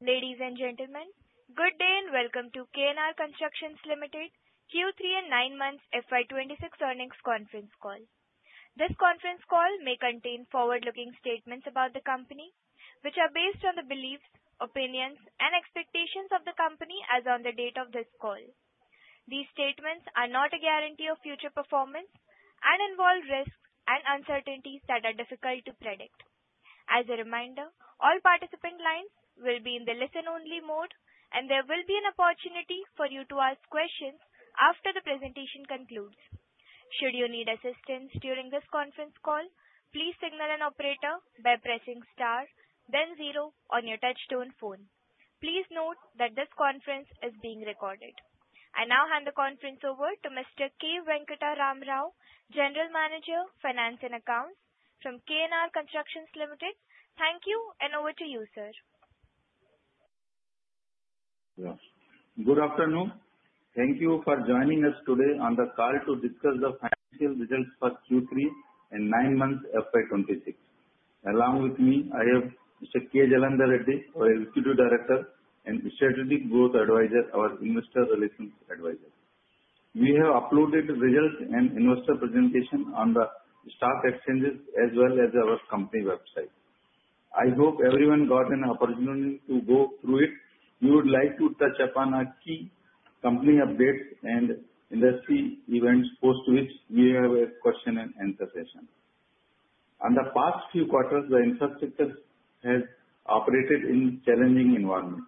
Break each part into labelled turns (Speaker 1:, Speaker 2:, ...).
Speaker 1: Ladies and gentlemen, good day and welcome to KNR Constructions Limited, Q3 and Nine Months FY 2026 Earnings Conference Call. This conference call may contain forward-looking statements about the company, which are based on the beliefs, opinions, and expectations of the company as on the date of this call. These statements are not a guarantee of future performance and involve risks and uncertainties that are difficult to predict. As a reminder, all participant lines will be in the listen-only mode, and there will be an opportunity for you to ask questions after the presentation concludes. Should you need assistance during this conference call, please signal an operator by pressing star then zero on your touchtone phone. Please note that this conference is being recorded. I now hand the conference over to Mr. K. Venkatram Rao, General Manager, Finance and Accounts from KNR Constructions Limited. Thank you, and over to you, sir.
Speaker 2: Yes. Good afternoon. Thank you for joining us today on the call to discuss the financial results for Q3 and nine months FY 2026. Along with me, I have Mr. K. Jalandhar Reddy, our Executive Director and Strategic Growth Advisor, our Investor Relations Advisor. We have uploaded the results and investor presentation on the stock exchanges as well as our company website. I hope everyone got an opportunity to go through it. We would like to touch upon our key company updates and industry events, post which we have a question and answer session. In the past few quarters, the infrastructure has operated in challenging environment,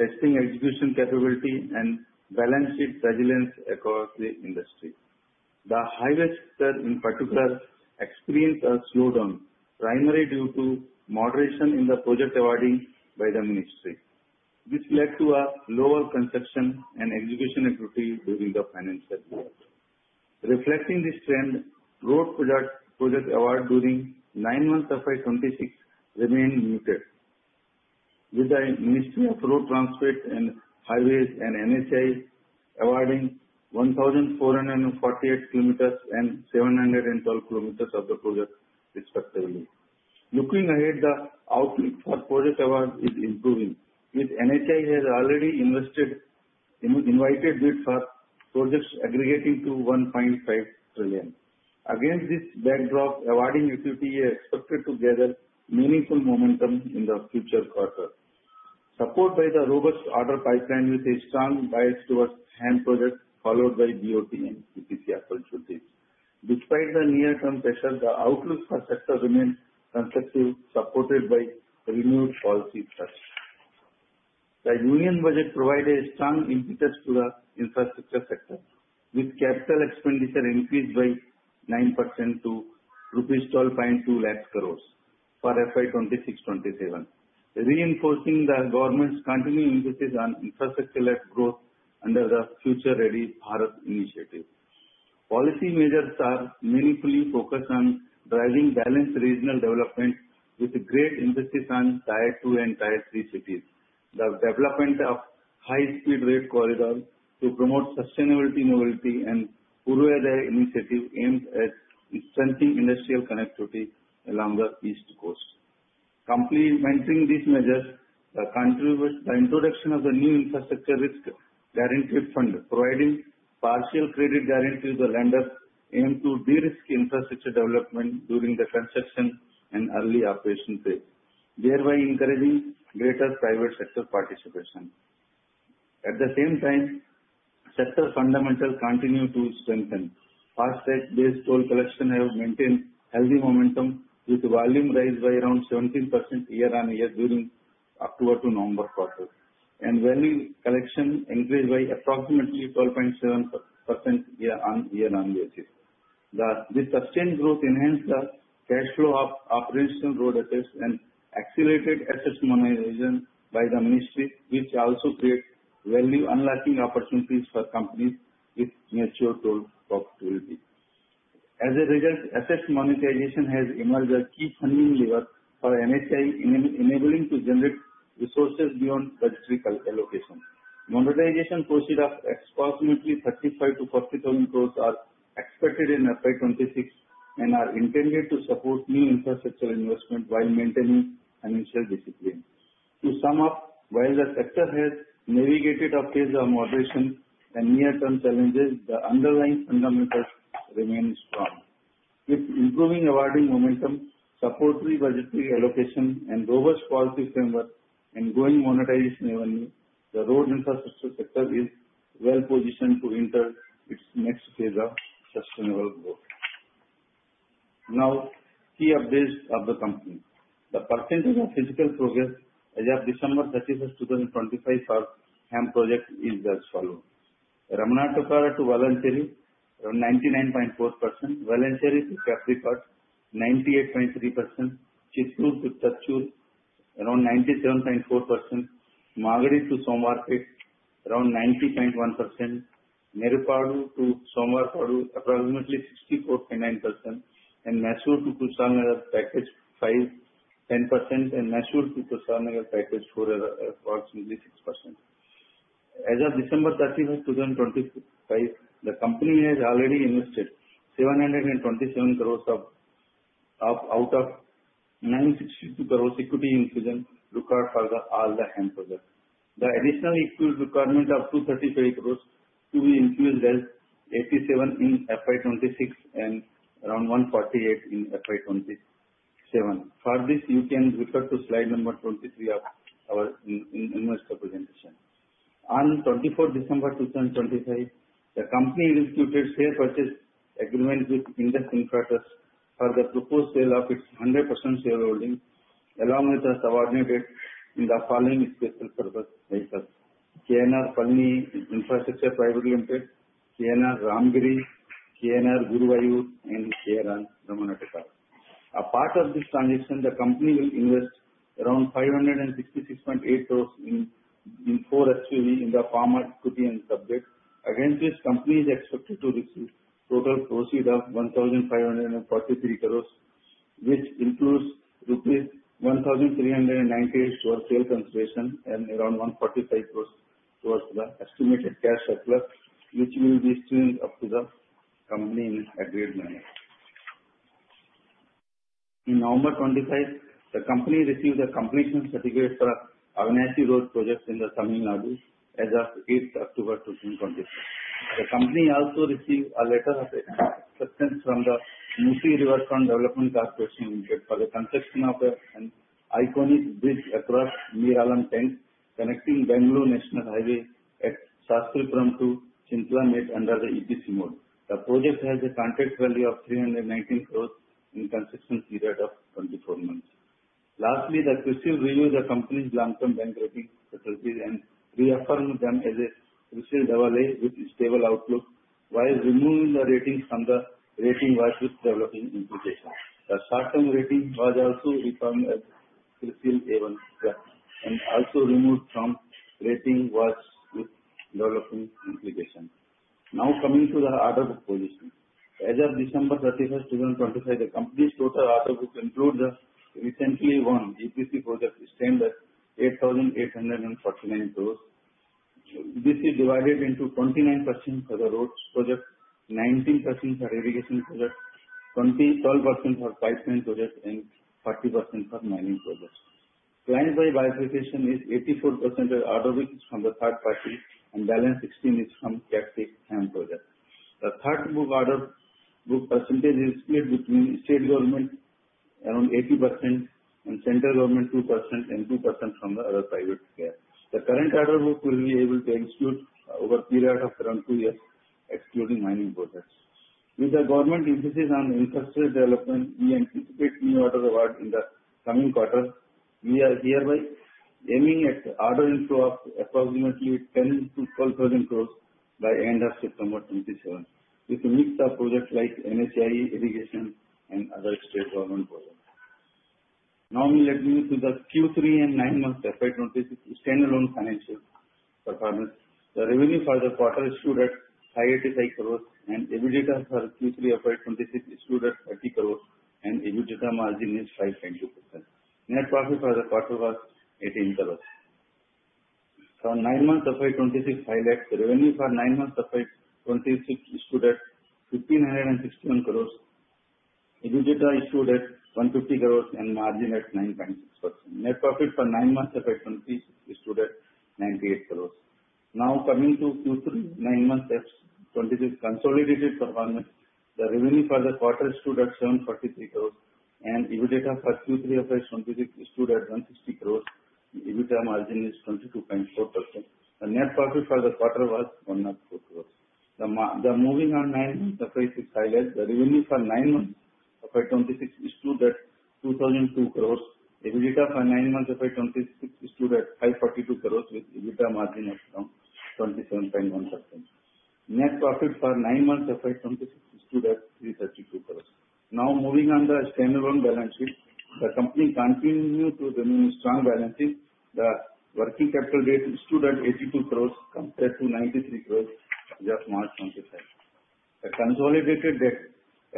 Speaker 2: testing execution capability and balance sheet resilience across the industry. The highway sector, in particular, experienced a slowdown, primarily due to moderation in the project awarding by the ministry. This led to a lower construction and execution activity during the financial year. Reflecting this trend, road project, project award during nine months FY 2026 remained muted, with the Ministry of Road Transport and Highways and NHAI awarding 1,448 kilometers and 712 kilometers of the project respectively. Looking ahead, the outlook for project awards is improving, with NHAI has already invited bids for projects aggregating to 1.5 trillion. Against this backdrop, awarding activity is expected to gather meaningful momentum in the future quarter, supported by the robust order pipeline with a strong bias towards HAM projects, followed by BOT and PPP opportunities. Despite the near-term pressure, the outlook for sector remains constructive, supported by renewed policy thrust. The Union Budget provided a strong impetus to the infrastructure sector, with capital expenditure increased by 9% to rupees 1,220,000 crore for FY 2026-2027. Reinforcing the government's continuing emphasis on infrastructure-led growth under the Future Ready Bharat Initiative. Policy measures are meaningfully focused on driving balanced regional development with a great emphasis on Tier 2 and Tier 3 cities. The development of high-speed rail corridor to promote sustainability mobility and Purvodaya Initiative aims at strengthening industrial connectivity along the east coast. Complementing these measures, the country, with the introduction of the new infrastructure risk guarantee fund, providing partial credit guarantee to the lenders aimed to de-risk infrastructure development during the construction and early operation phase, thereby encouraging greater private sector participation. At the same time, sector fundamentals continue to strengthen. FASTag-based toll collection have maintained healthy momentum, with volume rise by around 17% year-on-year during October-November quarter, and value collection increased by approximately 12.7% year-on-year. This sustained growth enhanced the cash flow of operational road assets and accelerated asset monetization by the ministry, which also creates value unlocking opportunities for companies with mature toll profitability. As a result, asset monetization has emerged a key funding lever for NHAI, enabling to generate resources beyond budgetary allocation. Monetization proceeds of approximately 35,000-40,000 crore are expected in FY 2026 and are intended to support new infrastructure investment while maintaining financial discipline. To sum up, while the sector has navigated a phase of moderation and near-term challenges, the underlying fundamentals remain strong. With improving awarding momentum, supportive budgetary allocation and robust policy framework and growing monetization revenue, the road infrastructure sector is well positioned to enter its next phase of sustainable growth. Now, key updates of the company. The percentage of physical progress as of December 31, 2025 for HAM project is as follow: Ramanathapuram to Valanchery, around 99.4%; Valanchery to Kappirikkad, 98.3%; Chittoor to Thatchur, around 97.4%; Magadi to Somwarpet, around 90.1%; Marripudi to Somvarappadu, approximately 64.9%; and Mysuru to Kushalnagar, Package 5, 10%; and Mysuru to Kushalnagar, Package 4, approximately 6%. As of December 31, 2025, the company has already invested 727 crore out of 962 crore equity infusion required for all the HAM projects. The additional equity requirement of 235 crore to be infused as 87 crore in FY 2026 and around 148 crore in FY 2027. For this, you can refer to slide number 23 of our investor presentation. On 24 December 2025, the company executed share purchase agreement with Indus Infra Trust for the proposed sale of its 100% shareholding, along with the subordinate debt in the following SPVs: KNR Palani Infra Private Limited, KNR Ramagiri Infra Private Limited, KNR Guruvayur Infra Private Limited, and KNR Ramanathapuram Infra Private Limited. As part of this transaction, the company will invest around 566.8 crore in four SPVs in the form of equity and debt. Against this, company is expected to receive total proceeds of 1,543 crore, which includes rupees 1,390 crore towards sale consideration and around 145 crore towards the estimated cash surplus, which will be upstreamed to the company in agreed manner. In November 2025, the company received a completion certificate for Avinashi Road Project in Tamil Nadu as of 8 October 2025. The company also received a letter of acceptance from the Musi Riverfront Development Corporation Limited, for the construction of an iconic bridge across Mir Alam Tank, connecting Bengaluru National Highway at Shastripuram to Chintalmet under the EPC mode. The project has a contract value of 319 crore in construction period of 24 months. Lastly, CRISIL reviewed the company's long-term bank rating facilities and reaffirmed them as a CRISIL level with stable outlook, while removing the ratings from the rating watch with developing implications. The short-term rating was also reaffirmed as CRISIL A1 and also removed from rating watch with developing implication. Now, coming to the order book position. As of December 31, 2025, the company's total order book includes the recently won EPC project, which stands at 8,849 crore. This is divided into 29% for the road projects, 19% for irrigation projects, 12% for pipeline projects, and 40% for mining projects. Client-wise diversification is 84% of order book is from the third party, and balance 16% is from captive in-house projects. The order book percentage is split between state governments, around 80%, and central government 2%, and 2% from the other private sector. The current order book will be able to execute over a period of around two years, excluding mining projects. With the government emphasis on infrastructure development, we anticipate new order awards in the coming quarter. We are hereby aiming at order inflow of approximately 10,000-12,000 crore by end of September 2027, with a mix of projects like NHAI, irrigation, and other state government projects. Now, let me move to the Q3 and nine months separately standalone financial performance. The revenue for the quarter stood at 585 crore, and EBITDA for Q3 FY 2026 stood at 30 crore, and EBITDA margin is 5.2%. Net profit for the quarter was 18 crore. For nine months of FY 2026, highlight revenue for nine months of FY 2026 stood at 1,561 crore, EBITDA stood at 150 crore and margin at 9.6%. Net profit for nine months FY 2026 stood at INR 98 crore. Now, coming to Q3 nine months, that's 2026 consolidated performance. The revenue for the quarter stood at 743 crore, and EBITDA for Q3 of FY 2026 stood at 160 crore. EBITDA margin is 22.4%. The net profit for the quarter was INR 104 crore. Moving on nine months FY 25, the revenue for nine months of FY 26 stood at 2,002 crore. EBITDA for nine months of FY 26 stood at 542 crore, with EBITDA margin of around 27.1%. Net profit for nine months FY 26 stood at 332 crore. Now, moving on the standalone balance sheet, the company continue to remain strong balance sheet. The working capital debt stood at 82 crore compared to 93 crore as of March 2025. The consolidated debt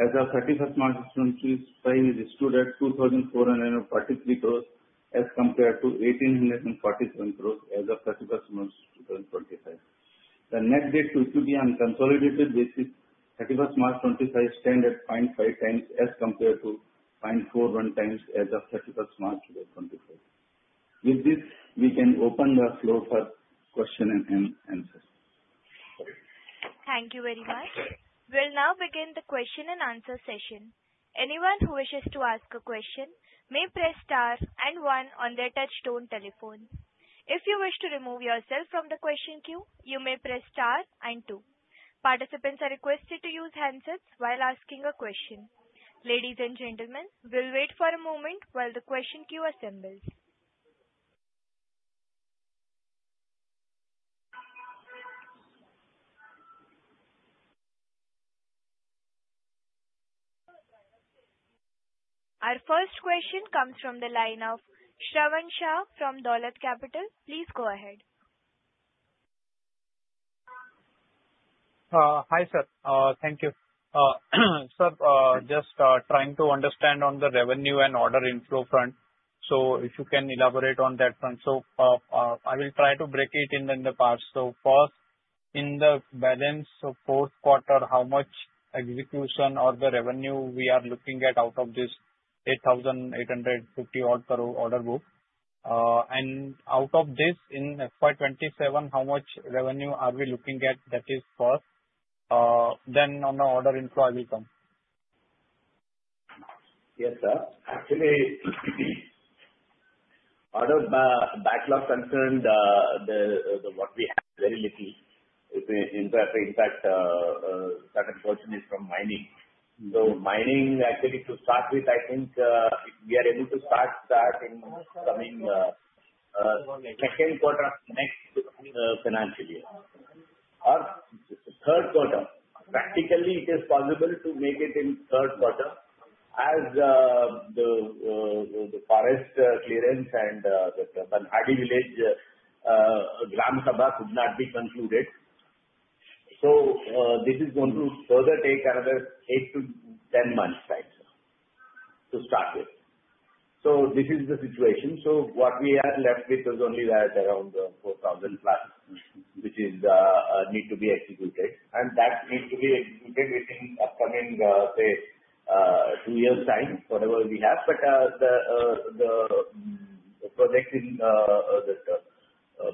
Speaker 2: as of 31 March 2025 is stood at 2,444 crore, as compared to 1,847 crore as of 31 March 2025. The net debt stood to be on consolidated basis, March 31, 2025, stand at 0.5x as compared to 0.41x as of March 31, 2024. With this, we can open the floor for question and answers.
Speaker 1: Thank you very much. We'll now begin the question and answer session. Anyone who wishes to ask a question may press star and one on their touch-tone telephone. If you wish to remove yourself from the question queue, you may press star and two. Participants are requested to use handsets while asking a question. Ladies and gentlemen, we'll wait for a moment while the question queue assembles. Our first question comes from the line of Shravan Shah from Dolat Capital. Please go ahead.
Speaker 3: Hi, sir. Thank you. Sir, just trying to understand on the revenue and order inflow front. So if you can elaborate on that front. So, I will try to break it in the parts. So first, in the balance of fourth quarter, how much execution or the revenue we are looking at out of this 8,850-odd crore order book? And out of this, in FY 2027, how much revenue are we looking at? That is first. Then on the order inflow I will come.
Speaker 4: Yes, sir. Actually, out of the backlog concerned, what we have very little, in fact, certain portion is from mining.
Speaker 3: Mm-hmm.
Speaker 4: So mining actually to start with, I think, we are able to start that in coming second quarter of next financial year or third quarter. Practically, it is possible to make it in third quarter as the forest clearance and the Banahalli village Gram Sabha could not be concluded. So this is going to further take another 8-10 months time, sir, to start it. So this is the situation. So what we are left with is only around 4,000 plus, which is need to be executed, and that need to be executed within upcoming say two years' time, whatever we have. But the project in the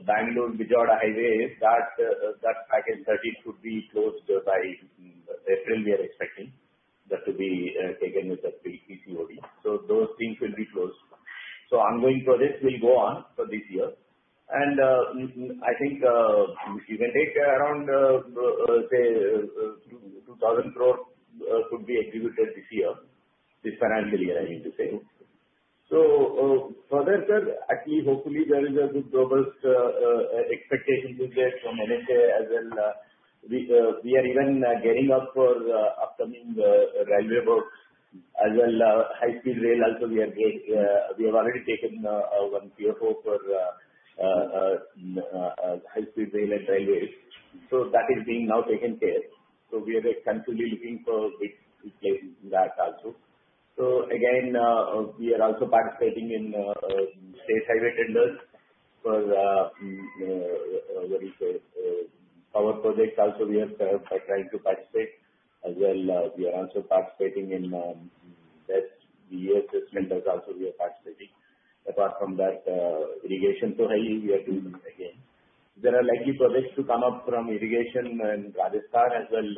Speaker 4: Bengaluru-Vijayawada highway, that package 30 should be closed by April, we are expecting. That will be taken with the PCOD. So those things will be closed. So ongoing projects will go on for this year. I think you can take around, say, 2,000 crore could be executed this year, this financial year, I need to say. So further, sir, actually, hopefully there is a good robust expectation to get from NHAI as well. We are even gearing up for upcoming railway works as well, high-speed rail also we are take we have already taken one PO for high-speed rail and railways. So that is being now taken care. So we are continually looking for big plays in that also. Again, we are also participating in state highway tenders, for power projects also we are trying to participate as well. We are also participating in railways tenders also we are participating. Apart from that, irrigation totally, we are doing again. There are likely projects to come up from irrigation in Rajasthan as well,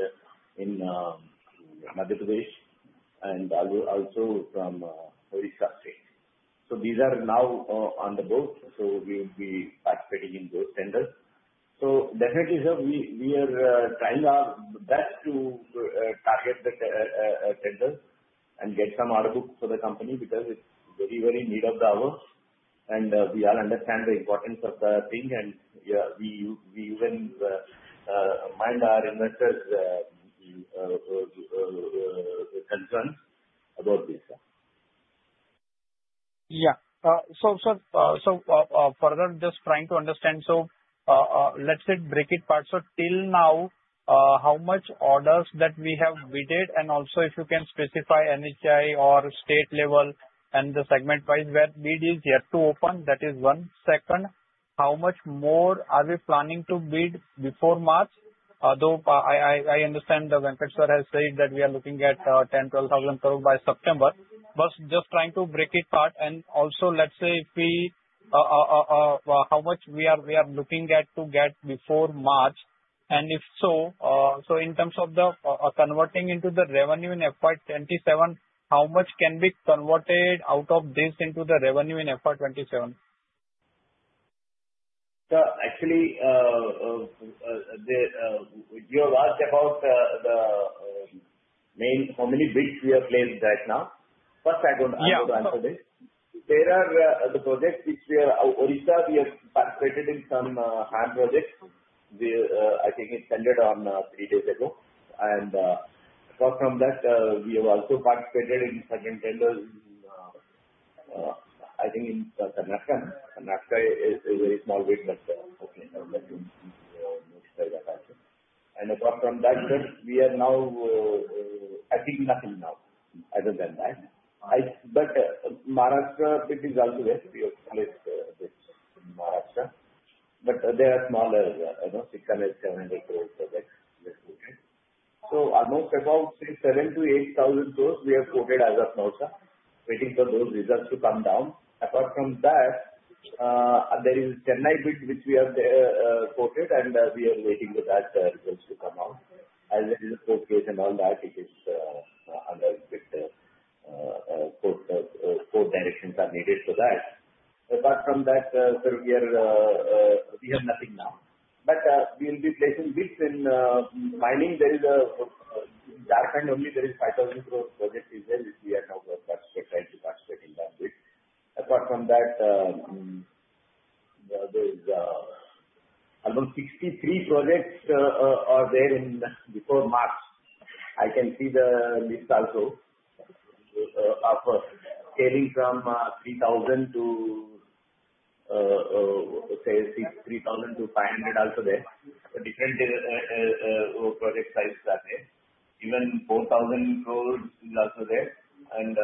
Speaker 4: in Madhya Pradesh and also from Odisha state. These are now on the board, so we will be participating in those tenders. So definitely, sir, we are trying our best to target the tenders and get some order books for the company because it's very very need of the hour, and we all understand the importance of the thing, and yeah, we even mind our investors concerns about this, sir.
Speaker 3: Yeah. So, further, just trying to understand. So, let's say break it parts. So till now, how much orders that we have bidded, and also if you can specify NHAI or state level and the segment-wise, where bid is yet to open, that is one. Second, how much more are we planning to bid before March? Although, I understand Venkatesh has said that we are looking at 10,000 crore-12,000 crore by September. But just trying to break it apart, and also, let's say, how much we are looking at to get before March, and if so, so in terms of the converting into the revenue in FY 2027, how much can be converted out of this into the revenue in FY 2027?
Speaker 4: Sir, actually, you have asked about the main, how many bids we have placed right now. First, I'm going to-
Speaker 3: Yeah.
Speaker 4: Answer this. There are the projects which we are... Odisha, we have participated in some HAM projects. I think it ended three days ago. Apart from that, we have also participated in certain tenders, I think in Karnataka. Karnataka is a very small bid, but okay, and apart from that, sir, we are now, I think nothing now, other than that. But Maharashtra, it is also there. We have placed this in Maharashtra, but they are smaller, you know, 600 crore-700 crore projects we have put in. So almost about 6,000-8,000 crores, we have quoted as of now, sir. Waiting for those results to come down. Apart from that, there is Chennai bid, which we have quoted, and we are waiting for that results to come out. As it is a court case and all that, it is under strict court directions are needed for that. Apart from that, sir, we are we have nothing now. But we will be placing bids in mining. There is a Jharkhand only there is 5,000 crore project is there, which we are now participate trying to participate in that bid. Apart from that, there is almost 63 projects are there in before March. I can see the list also. Of scaling from 3,000 to say 3,000-3,500 also there. So different project size are there. Even 4,000 crore is also there. And,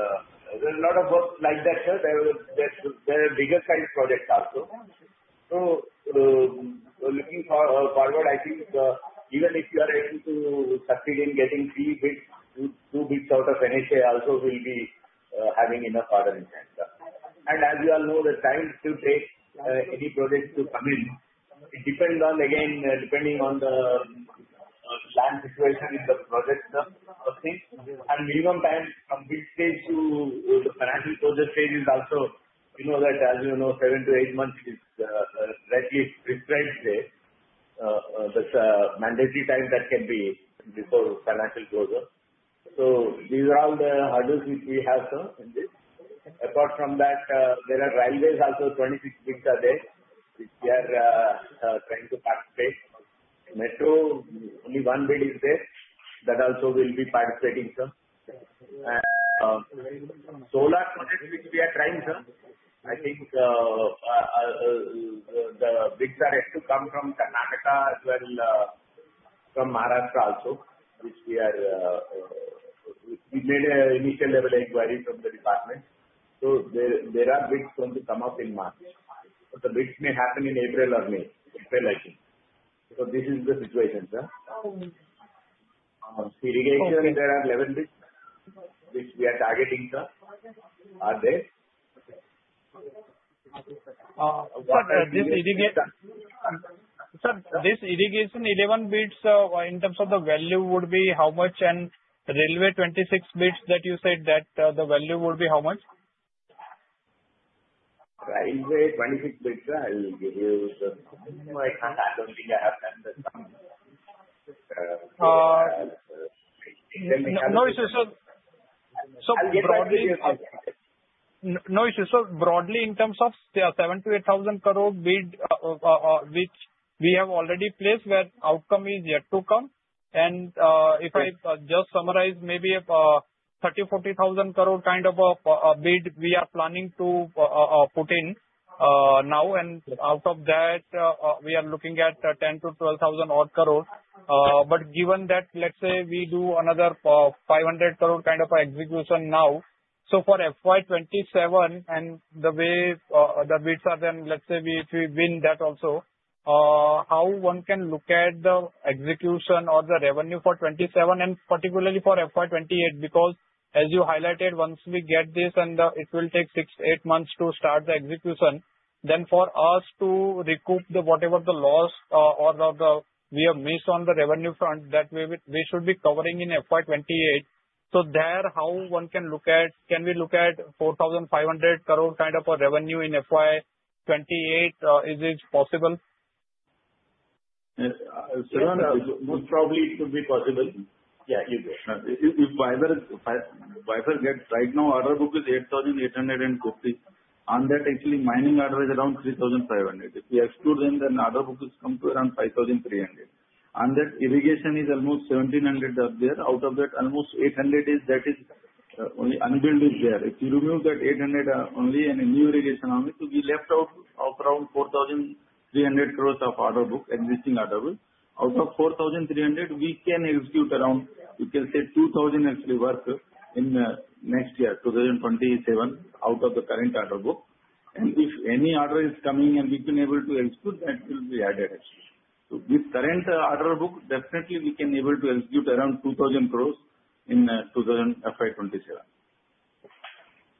Speaker 4: there are a lot of work like that, sir. There are, there's, there are bigger kind of projects also. So, looking for, forward, I think, even if you are able to succeed in getting three bids, two, two bids out of NHAI also will be, having enough order in hand, sir. And as you all know, the time it will take, any project to come in, it depends on, again, depending on the, land situation in the project, sir, first thing. And minimum time from bid stage to the financial closure stage is also, you know that, as you know, 7-8 months is, slightly prescribed there. That's a mandatory time that can be before financial closure. So these are all the hurdles which we have, sir, in this. Apart from that, there are railways, also 26 bids are there, which we are trying to participate. Metro, only one bid is there, that also we'll be participating, sir. Solar projects which we are trying, sir, I think, the bids are yet to come from Karnataka as well, from Maharashtra also, which we are, we made a initial level inquiry from the department. So there are bids going to come up in March, but the bids may happen in April or May. April, I think. So this is the situation, sir. Irrigation, there are 11 bids which we are targeting, sir, are there.
Speaker 3: But this irrigation—sir, this irrigation, 11 bids, in terms of the value would be how much? And railway, 26 bids that you said that, the value would be how much?
Speaker 2: Railway, 26 bids, sir, I will give you the... I don't think I have that number.
Speaker 3: No, it's just, so broadly-
Speaker 2: I'll get back to you.
Speaker 3: No, it's just so broadly in terms of 7,000-8,000 crore bid, which we have already placed, where outcome is yet to come. If I just summarize, maybe, 30,000-40,000 crore kind of a bid we are planning to put in now, and out of that, we are looking at 10,000-12,000 crore. But given that, let's say we do another, 500 crore kind of execution now, so for FY 2027 and the way the bids are done, let's say we, if we win that also, how one can look at the execution or the revenue for 2027 and particularly for FY 2028. Because as you highlighted, once we get this and it will take 6-8 months to start the execution, then for us to recoup the whatever the loss, or the, the we have missed on the revenue front, that we will, we should be covering in FY 2028. So there, how one can look at... Can we look at 4,500 crore kind of a revenue in FY 2028, is it possible?
Speaker 2: Seven, most probably it should be possible. Yeah, it is. If [Wipro] gets right now, order book is 8,850 crore. On that, actually, mining order is around 3,500 crore. If we exclude them, then order book is come to around 5,300 crore. That irrigation is almost 1,700 crore are there. Out of that, almost 800 is, that is, unbilled is there. If you remove that 800, only and a new irrigation only, so we left out of around 4,300 crore of order book, existing order book. Out of 4,300 crore, we can execute around, you can say 2,000 crore actually worth in next year, 2027, out of the current order book. If any order is coming and we've been able to execute, that will be added actually. This current order book, definitely we can able to execute around 2,000 crore in FY 2027.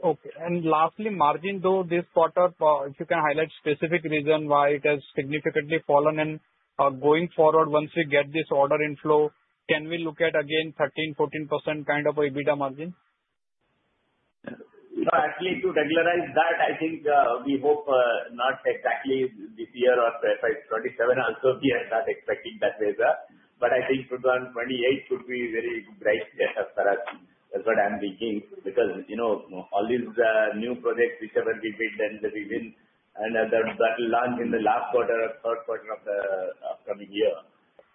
Speaker 3: Okay. And lastly, margin, though, this quarter, if you can highlight specific reason why it has significantly fallen and, going forward, once we get this order inflow, can we look at again 13%-14% kind of a EBITDA margin?
Speaker 4: No, actually, to regularize that, I think, we hope, not exactly this year or FY 2027 also, we are not expecting that way, sir. But I think 2028 should be very bright year for us. That's what I'm thinking. Because, you know, all these, new projects, whichever we bid and we win, and, that, that will launch in the last quarter or third quarter of the upcoming year.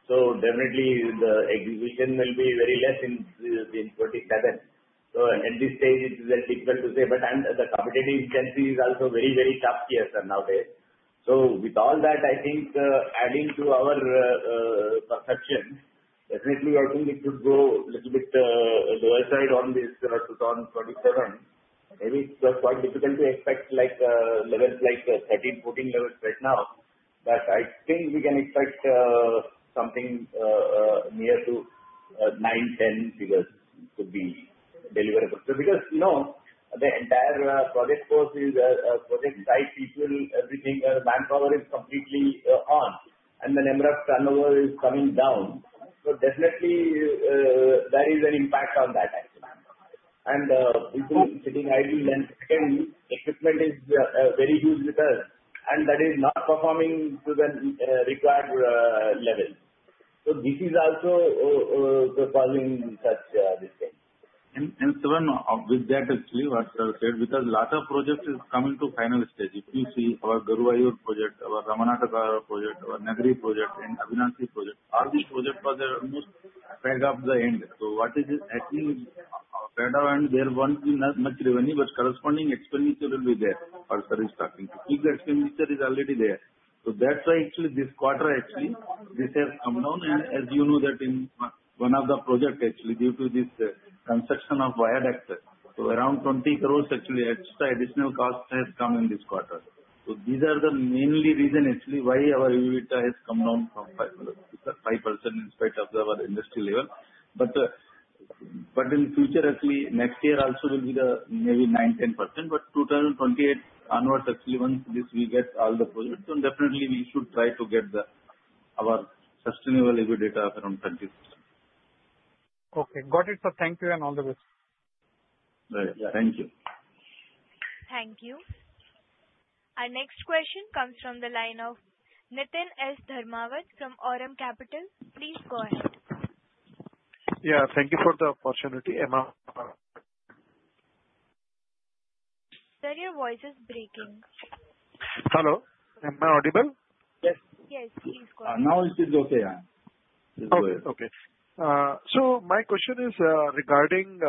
Speaker 4: So definitely, the execution will be very less in, in 2027. So at this stage, it is, difficult to say, but, and the competitive intensity is also very, very tough here, sir, nowadays. So with all that, I think, adding to our, perception, definitely I think it would go little bit, lower side on this, 2027. Maybe it's just quite difficult to expect like, levels like, 13, 14 levels right now. But I think we can expect, something, near to, nine, 10 figures to be deliverable. So because, you know, the entire, project force is, project site people, everything, manpower is completely, on, and the number of turnover is coming down. So definitely, there is an impact on that actually. And, people sitting idle, and second, equipment is, very huge with us, and that is not performing to the, required, level. So this is also, causing such, this thing. And, and, Shravan, with that actually what, sir, said, because lot of projects is coming to final stage. If you see our Guruvayur project, our Ramanathapuram project, our Ramagiri project, and Avinashi project, all these projects are almost back of the end. So what is it actually, better and there one is not much revenue, but corresponding expenditure will be there for service starting. If the expenditure is already there. So that's why actually this quarter actually, this has come down. And as you know that in one of the projects, actually, due to this construction of viaducts, so around 20 crore actually extra additional cost has come in this quarter. So these are the mainly reason actually why our EBITDA has come down from 5 million with the 5% in spite of our industry level. But in future, actually, next year also will be maybe 9%-10%, but 2028 onwards, actually, once this we get all the projects, then definitely we should try to get our sustainable EBITDA of around 30%.
Speaker 3: Okay, got it, sir. Thank you and all the best.
Speaker 2: Right. Thank you.
Speaker 1: Thank you. Our next question comes from the line of Niteen S. Dharmawat from Aurum Capital. Please go ahead.
Speaker 5: Yeah, thank you for the opportunity, Emma.
Speaker 1: Sir, your voice is breaking.
Speaker 5: Hello, am I audible?
Speaker 4: Yes.
Speaker 1: Yes, please go ahead.
Speaker 2: Now it is okay, yeah.
Speaker 5: Okay, okay. My question is regarding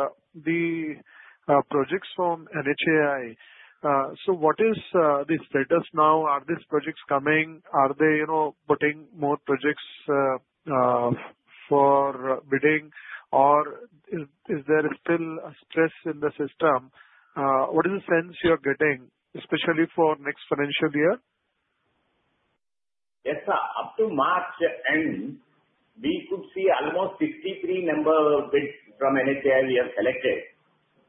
Speaker 5: the projects from NHAI. What is the status now? Are these projects coming? Are they, you know, putting more projects for bidding, or is there still stress in the system? What is the sense you're getting especially for next financial year?
Speaker 2: Yes, sir. Up to March end, we could see almost 63 number bids from NHAI we have selected.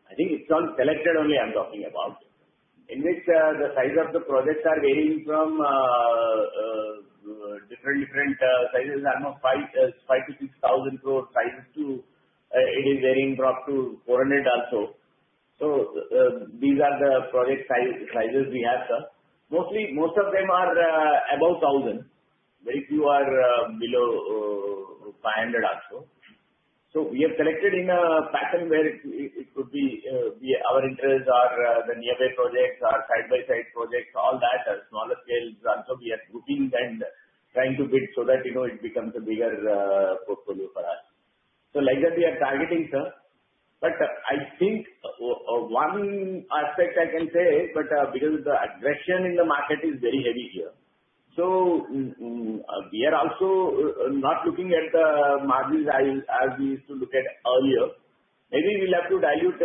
Speaker 2: I think it's on selected only I'm talking about. In which, the size of the projects are varying from, different, different, sizes. I don't know, five, five to six thousand crore size to, it is varying up to 400 also. So, these are the project size, sizes we have, sir. Mostly, most of them are, above 1,000. Very few are, below, 500 also. So we have selected in a pattern where it, it could be, via our interests or, the nearby projects or side-by-side projects, all that are smaller scale. Also, we are grouping and trying to build so that, you know, it becomes a bigger, portfolio for us. So like that, we are targeting, sir. But I think one aspect I can say, but because the aggression in the market is very heavy here, so we are also not looking at the margins as we used to look at earlier. Maybe we'll have to dilute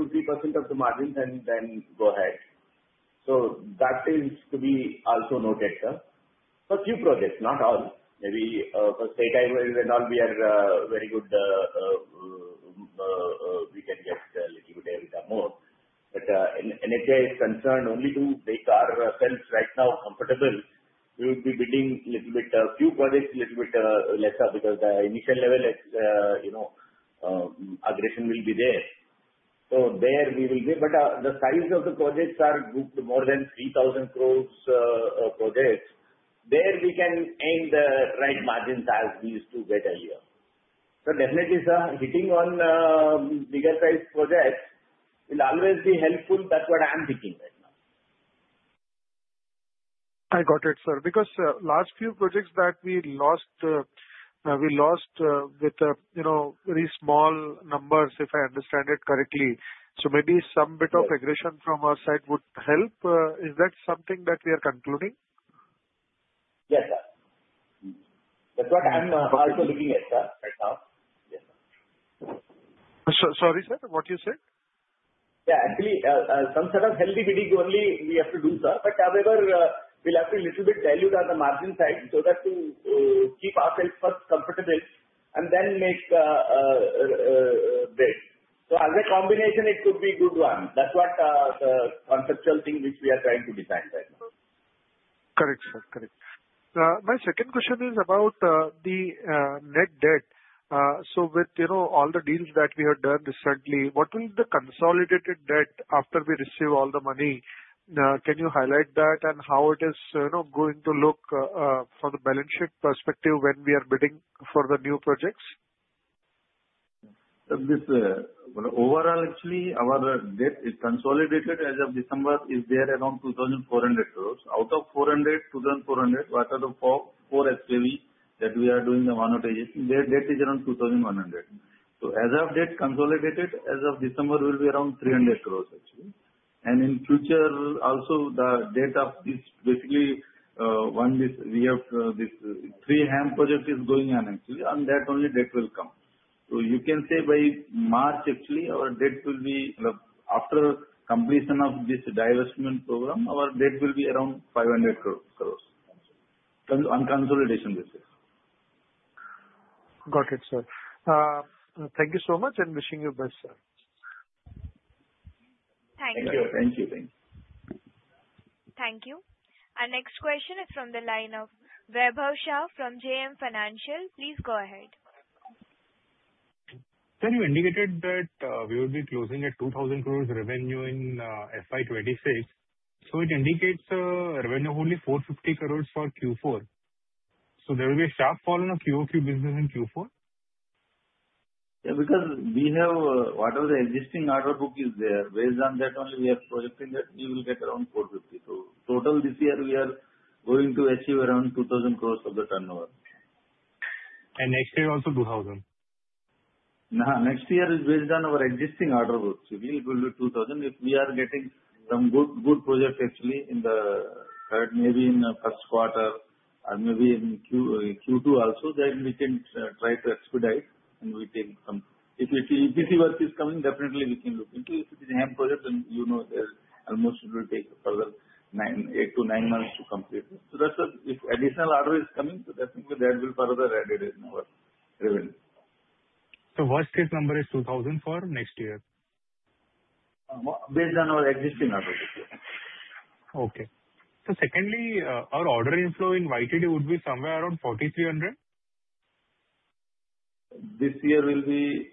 Speaker 2: 2-3% of the margins and then go ahead. So that seems to be also noted, sir. For few projects, not all. Maybe for state highways and all, we are very good, we can get a little bit EBITDA more. But NHAI is concerned only to make ourselves right now comfortable, we would be bidding little bit few projects, little bit lesser, because the initial level it's you know aggression will be there. So there we will be... The size of the projects are grouped more than 3,000 crore of projects. There we again, we can aim the right margins as we used to get earlier. Definitely, sir, bidding on bigger size projects will always be helpful. That's what I'm thinking right now.
Speaker 5: I got it, sir. Because last few projects that we lost with you know very small numbers, if I understand it correctly. So maybe some bit of aggression from our side would help. Is that something that we are concluding?
Speaker 4: Yes, sir. That's what I'm also looking at, sir, right now. Yes, sir.
Speaker 5: Sorry, sir, what you said?
Speaker 4: Yeah, actually, some sort of healthy bidding only we have to do, sir. But however, we'll have to little bit dilute on the margin side so that we keep ourselves first comfortable and then make bid. So as a combination, it could be good one. That's what the conceptual thing which we are trying to design right now.
Speaker 5: Correct, sir. Correct. My second question is about the net debt. So with, you know, all the deals that we have done recently, what will be the consolidated debt after we receive all the money? Can you highlight that and how it is, you know, going to look from the balance sheet perspective when we are bidding for the new projects?
Speaker 2: Well, overall, actually, our debt is consolidated as of December is there around 2,400 crores. Out of 400, 2,400, what are the four, four actually that we are doing the monetization? Their debt is around 2,100. So as of debt consolidated, as of December will be around 300 crores, actually. And in future also, the date of this basically, one is we have, this three HAM project is going on actually, and that only debt will come. So you can say by March, actually, our debt will be, after completion of this divestment program, our debt will be around 500 crores on consolidation basis.
Speaker 5: Got it, sir. Thank you so much, and wishing you the best, sir.
Speaker 1: Thank you.
Speaker 2: Thank you. Thank you.
Speaker 1: Thank you. Our next question is from the line of Vaibhav Shah from JM Financial. Please go ahead.
Speaker 6: Sir, you indicated that we will be closing at 2,000 crore revenue in FY 2026, so it indicates revenue only 450 crore for Q4. So there will be a sharp fall in a [POQ] business in Q4? ...
Speaker 2: Yeah, because we have whatever the existing order book is there, based on that only we are projecting that we will get around 450. So total, this year we are going to achieve around 2,000 crore of the turnover.
Speaker 6: Next year also 2000?
Speaker 2: Nah, next year is based on our existing order books. It will go to 2,000 if we are getting some good, good projects actually in the third, maybe in the first quarter or maybe in Q2 also, then we can try to expedite and we can come. If we see EPC work is coming, definitely we can look into it. If it is HAM projects, then you know, there's almost it will take further 8-9 months to complete. So that's if additional order is coming, so that means that there will be further added in our revenue.
Speaker 6: Worst case number is 2,000 for next year?
Speaker 2: Based on our existing order, yes.
Speaker 6: Okay. So secondly, our order inflow in YTD would be somewhere around 4,300?
Speaker 2: This year will be,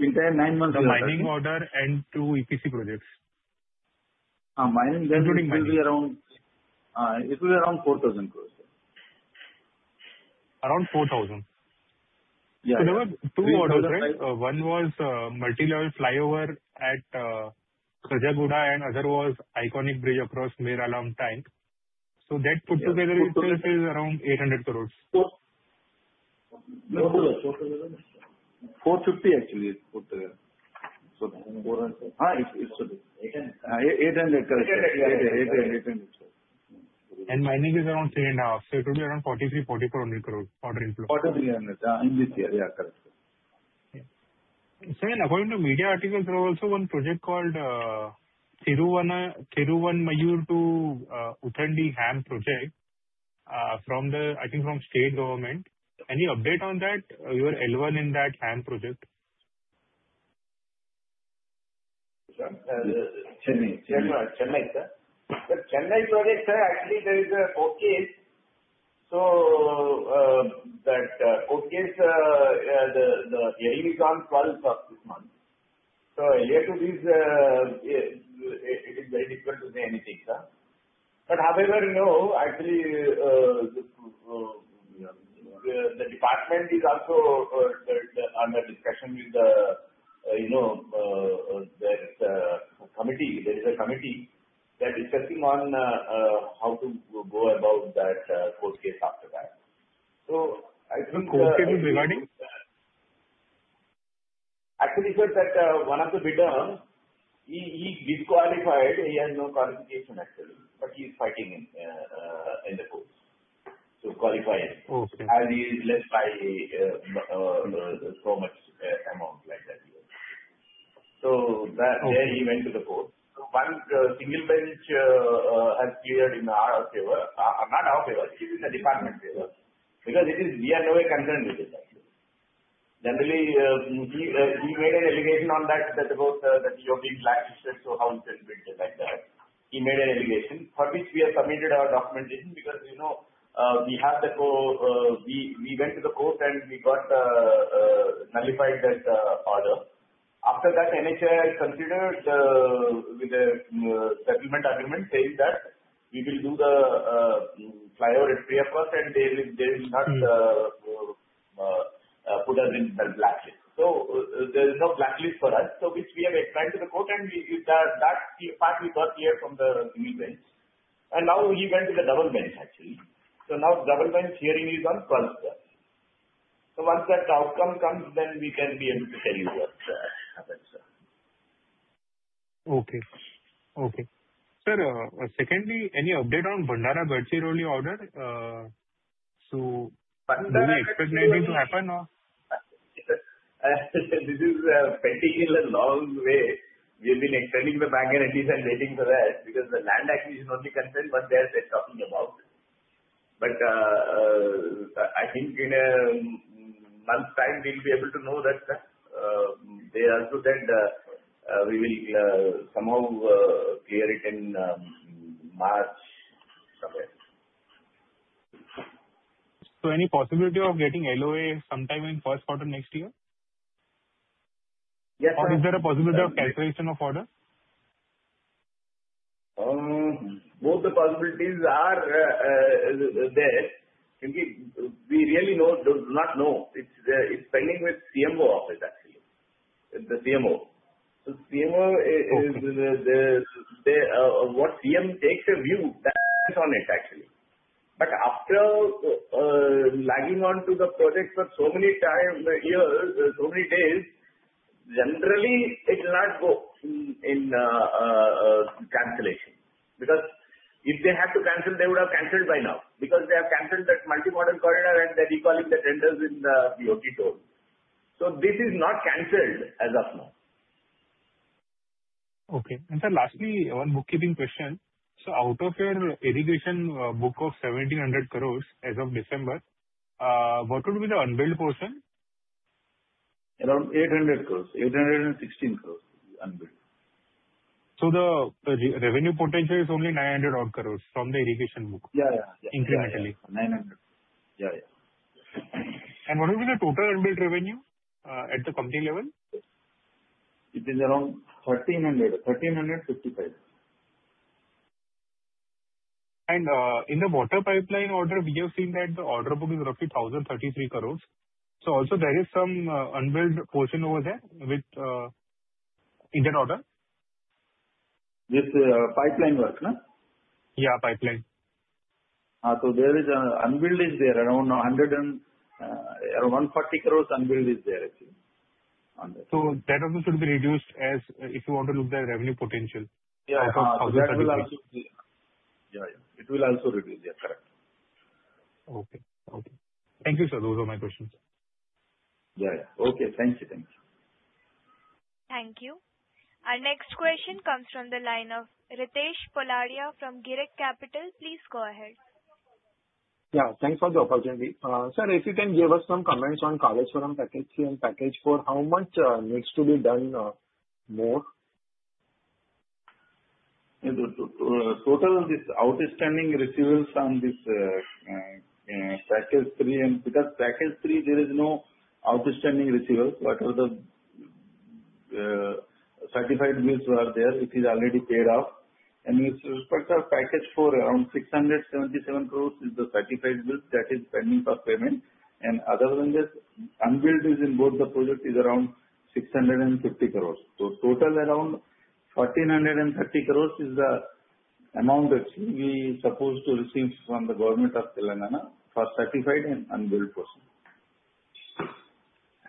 Speaker 2: we have nine months-
Speaker 6: The mining order and two EPC projects.
Speaker 2: Mining, that will be around-
Speaker 6: Including mining.
Speaker 2: It will be around 4,000 crore.
Speaker 6: Around 4,000?
Speaker 2: Yeah.
Speaker 6: There were two orders, right? One was multi-level flyover at Khajaguda, and other was iconic bridge across Mir Alam Tank. That put together is around 800 crore.
Speaker 2: So 400, 400. 450, actually, put together. So, it's 800. 800 crore.
Speaker 6: Mining is around 3.5, so it will be around 4,300-4,400 crore order inflow.
Speaker 2: INR 4,300 in this year. Yeah, correct.
Speaker 6: So then according to media articles, there is also one project called [Cheyyur–Vandavasi–Polur] HAM project from the... I think from state government. Any update on that? You are involved in that HAM project.
Speaker 4: Sir, Chennai, Chennai, Chennai, sir. The Chennai project, sir, actually there is a court case, so that court case, the hearing is on first of this month. So earlier to this, it is very difficult to say anything, sir. But however, you know, actually, the department is also under discussion with the, you know, the committee. There is a committee that is discussing on how to go about that court case after that. So I think,
Speaker 6: Court case regarding?
Speaker 4: Actually, sir, that one of the bidders, he disqualified. He has no qualification, actually, but he's fighting in the courts to qualify.
Speaker 6: Okay.
Speaker 4: And he is less by, so much, amount like that. So that-
Speaker 6: Okay.
Speaker 2: He went to the court. So once, single bench has cleared in our favor, not our favor, it is the department favor, because it is... We are not concerned with it, actually. Generally, he made an allegation on that, that about, that you have been blacklisted, so how it is like that? He made an allegation, for which we have submitted our documentation because, you know, we have the co-- we went to the court and we got nullified that order. After that, NHAI considered the settlement agreement, saying that we will do the flyover FP first, and they will not put us in the blacklist. So, there is no blacklist for us. So which we have explained to the court, and we, with that, that part we got clear from the bench. And now he went to the government, actually. So now government's hearing is on first. So once that outcome comes, then we can be able to tell you what happens, sir.
Speaker 6: Okay. Okay. Sir, secondly, any update on Bhandara-Gadchiroli order? So do you expect anything to happen or...?
Speaker 4: This is pending in a long way. We've been extending the bank guarantees and waiting for that, because the land acquisition is only concerned, but they are still talking about it. But I think in a month's time, we'll be able to know that, they also said we will somehow clear it in March, somewhere.
Speaker 6: Any possibility of getting LOA sometime in first quarter next year?
Speaker 4: Yes.
Speaker 6: Or is there a possibility of cancellation of order?
Speaker 4: Both the possibilities are there. We really do not know. It's pending with CMO office, actually, the CMO. So CMO,
Speaker 6: Okay.
Speaker 4: What the CM takes a view, that's on it, actually. But after lagging on to the project for so many time, years, so many days, generally, it will not go in cancellation. Because if they had to cancel, they would have canceled by now, because they have canceled that multi-modal corridor, and they're recalling the tenders in the BOT Toll. So this is not canceled as of now.
Speaker 6: Okay. And sir, lastly, one bookkeeping question: So out of your irrigation book of 1,700 crore as of December, what would be the unbilled portion?
Speaker 2: Around 800 crores, 816 crores unbilled.
Speaker 6: So the revenue potential is only 900-odd crore from the irrigation book?
Speaker 2: Yeah, yeah, yeah.
Speaker 6: Incrementally.
Speaker 2: 900. Yeah, yeah.
Speaker 6: What would be the total unbilled revenue at the company level?
Speaker 2: It is around 1,300, 1,355....
Speaker 6: in the water pipeline order, we have seen that the order book is roughly 1,033 crore. Also there is some unbilled portion over there with in an order?
Speaker 2: With pipeline work, huh?
Speaker 6: Yeah, pipeline.
Speaker 2: So there is unbilled there around 140 crore unbilled there, actually, on that.
Speaker 6: So that also should be reduced as, if you want to look the revenue potential-
Speaker 2: Yeah.
Speaker 6: Of 1,030-
Speaker 2: Yeah, it will also reduce. Yeah, yeah, it will also reduce. Yeah, correct.
Speaker 6: Okay, okay. Thank you, sir. Those are my questions.
Speaker 2: Yeah, yeah. Okay, thank you. Thank you.
Speaker 1: Thank you. Our next question comes from the line of Ritesh Poladia from Girik Capital. Please go ahead.
Speaker 7: Yeah, thanks for the opportunity. Sir, if you can give us some comments on Kaleshwaram Package 3 and Package 4, how much needs to be done more?
Speaker 2: The total of this outstanding receivables from this Package 3. Because Package 3, there is no outstanding receivable. What were the certified bills were there, it is already paid off. With respect of Package 4, around 677 crores is the certified bill that is pending for payment. Other than this, unbilled is in both the project is around 650 crores. So total around 1,430 crores is the amount which we supposed to receive from the government of Telangana for certified and unbilled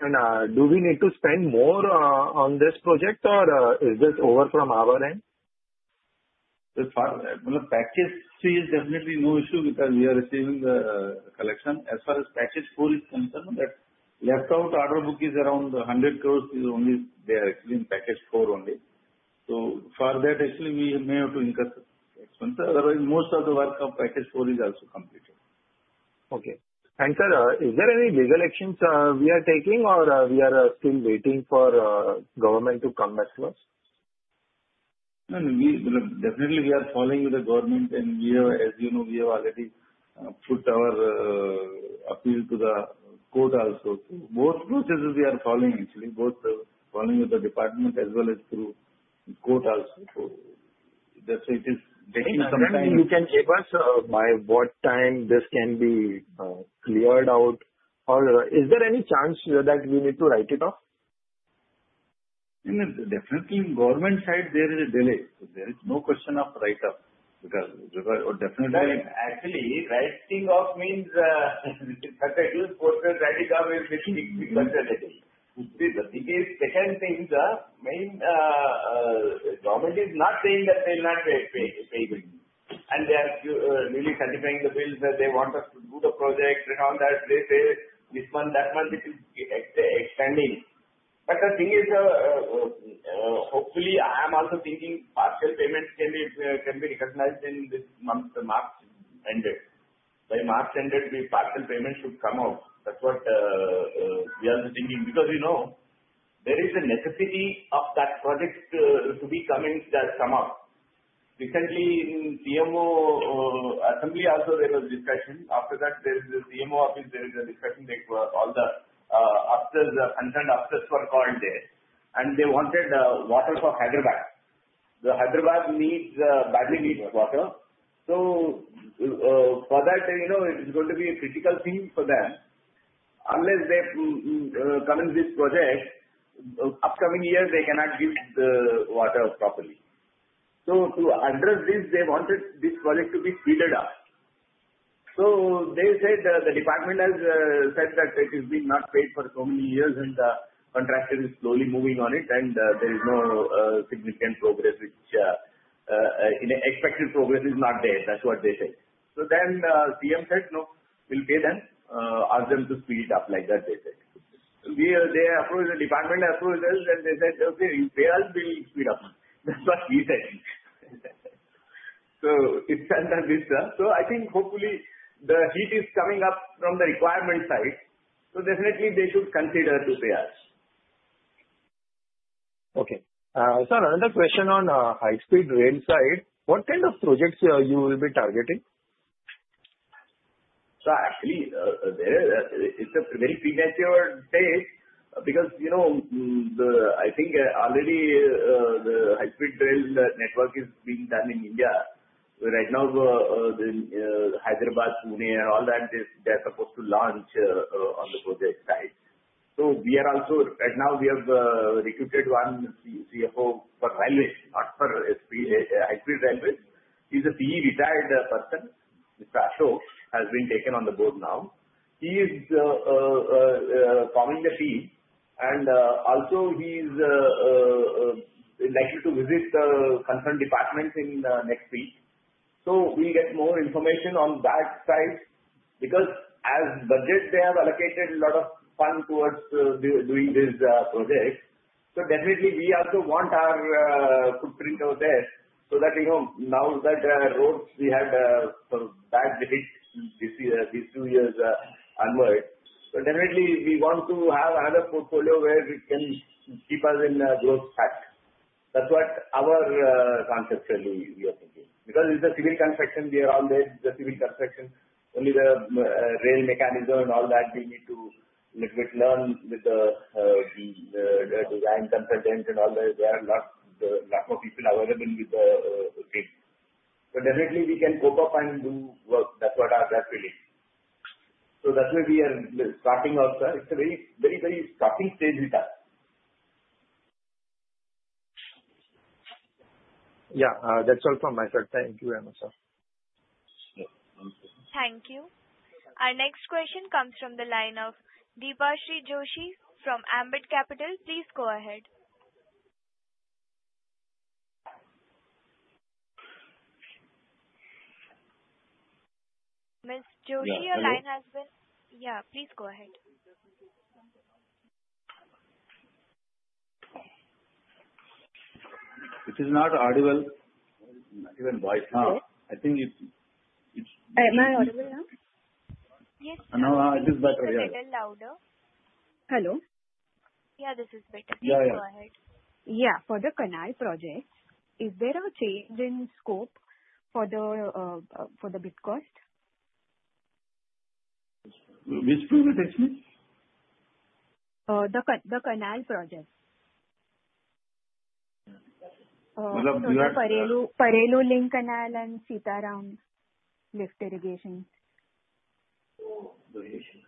Speaker 2: portion.
Speaker 7: Do we need to spend more on this project or is this over from our end?
Speaker 2: As far, well, Package 3 is definitely no issue because we are receiving the collection. As far as Package 4 is concerned, that left out order book is around 100 crore, is only there actually in Package 4 only. So for that actually we may have to incur expense, otherwise most of the work of Package 4 is also completed.
Speaker 7: Okay. Sir, is there any legal actions we are taking or we are still waiting for government to come back to us?
Speaker 2: No, definitely we are following with the government, and we have, as you know, we have already put our appeal to the court also. So both processes we are following actually, both following with the department as well as through court also. So that's it. It is taking some time.
Speaker 7: You can give us by what time this can be cleared out or is there any chance that we need to write it off?
Speaker 4: No, no, definitely government side there is a delay. There is no question of write off, because definitely—Actually, writing off means certified gross write off is six months again. See, the thing is, second thing is, main government is not saying that they'll not pay bill, and they are really certifying the bills, that they want us to do the project. And on that they say, this one, that one, it is extending. But the thing is, hopefully, I am also thinking partial payments can be recognized in this month, March end. By March end, the partial payment should come out. That's what we are also thinking. Because, you know, there is a necessity of that project to be commenced as soon up. Recently, in CMO assembly also there was discussion. After that there is a CMO office, there is a discussion that was all the after the concerned actors were called there, and they wanted water for Hyderabad. Hyderabad badly needs water. So for that, you know, it is going to be a critical thing for them. Unless they commence this project upcoming years, they cannot give the water properly. So to address this, they wanted this project to be speeded up. So they said the department has said that it is been not paid for so many years, and the contractor is slowly moving on it, and there is no significant progress which expected progress is not there. That's what they said. So then CM said: "No, we'll pay them. Ask them to speed it up," like that they said. We are – they approached the department, approached us, and they said, "Okay, pay us, we'll speed up." That's what he said. So it stands as this, sir. So I think hopefully the heat is coming up from the requirement side, so definitely they should consider to pay us.
Speaker 7: Okay. Sir, another question on high-speed rail side. What kind of projects you will be targeting?
Speaker 4: So actually, there, it's a very premature stage because, you know, the... I think, already, the high speed rail network is being done in India. Right now, the, Hyderabad, Pune, and all that, is they're supposed to launch, on the project side. So we are also—right now, we have, recruited one CFO for railway, not for speed, high speed railway. He's a PE retired person. Mr. Ashok has been taken on the board now. He is, forming a team, and, also he's, likely to visit, concerned departments in, next week. So we'll get more information on that side, because as budget, they have allocated a lot of fund towards doing this, project. So definitely we also want our footprint out there so that, you know, now that roads we had some bad hits this year, these two years onward. So definitely we want to have another portfolio where we can keep us in growth path. That's what our conceptually we are thinking. Because it's a civil construction, we are always the civil construction, only the rail mechanism and all that we need to learn with the design consultants and all that, there are lot more people available with the team. So definitely we can scope up and do work. That's what I feel. So that's why we are starting off, it's a very, very, very starting stage with us. Yeah. That's all from my side. Thank you very much, sir.
Speaker 1: Thank you. Our next question comes from the line of Deepashri Joshi from Ambit Capital. Please go ahead. Ms. Joshi-
Speaker 2: Yeah, hello.
Speaker 1: Your line has been... Yeah, please go ahead.
Speaker 2: It is not audible, even voice. I think it's, it's
Speaker 8: Am I audible now?
Speaker 1: Yes.
Speaker 2: Now, it is better. Yeah.
Speaker 1: Little louder.
Speaker 8: Hello?
Speaker 1: Yeah, this is better.
Speaker 2: Yeah, yeah.
Speaker 1: Please go ahead.
Speaker 8: Yeah. For the canal project, is there a change in scope for the bid cost?
Speaker 2: Which project actually?
Speaker 8: The canal project.
Speaker 2: We have-
Speaker 8: The Paleru, Paleru Link Canal and Sita Rama Lift Irrigation.
Speaker 2: Oh, irrigation.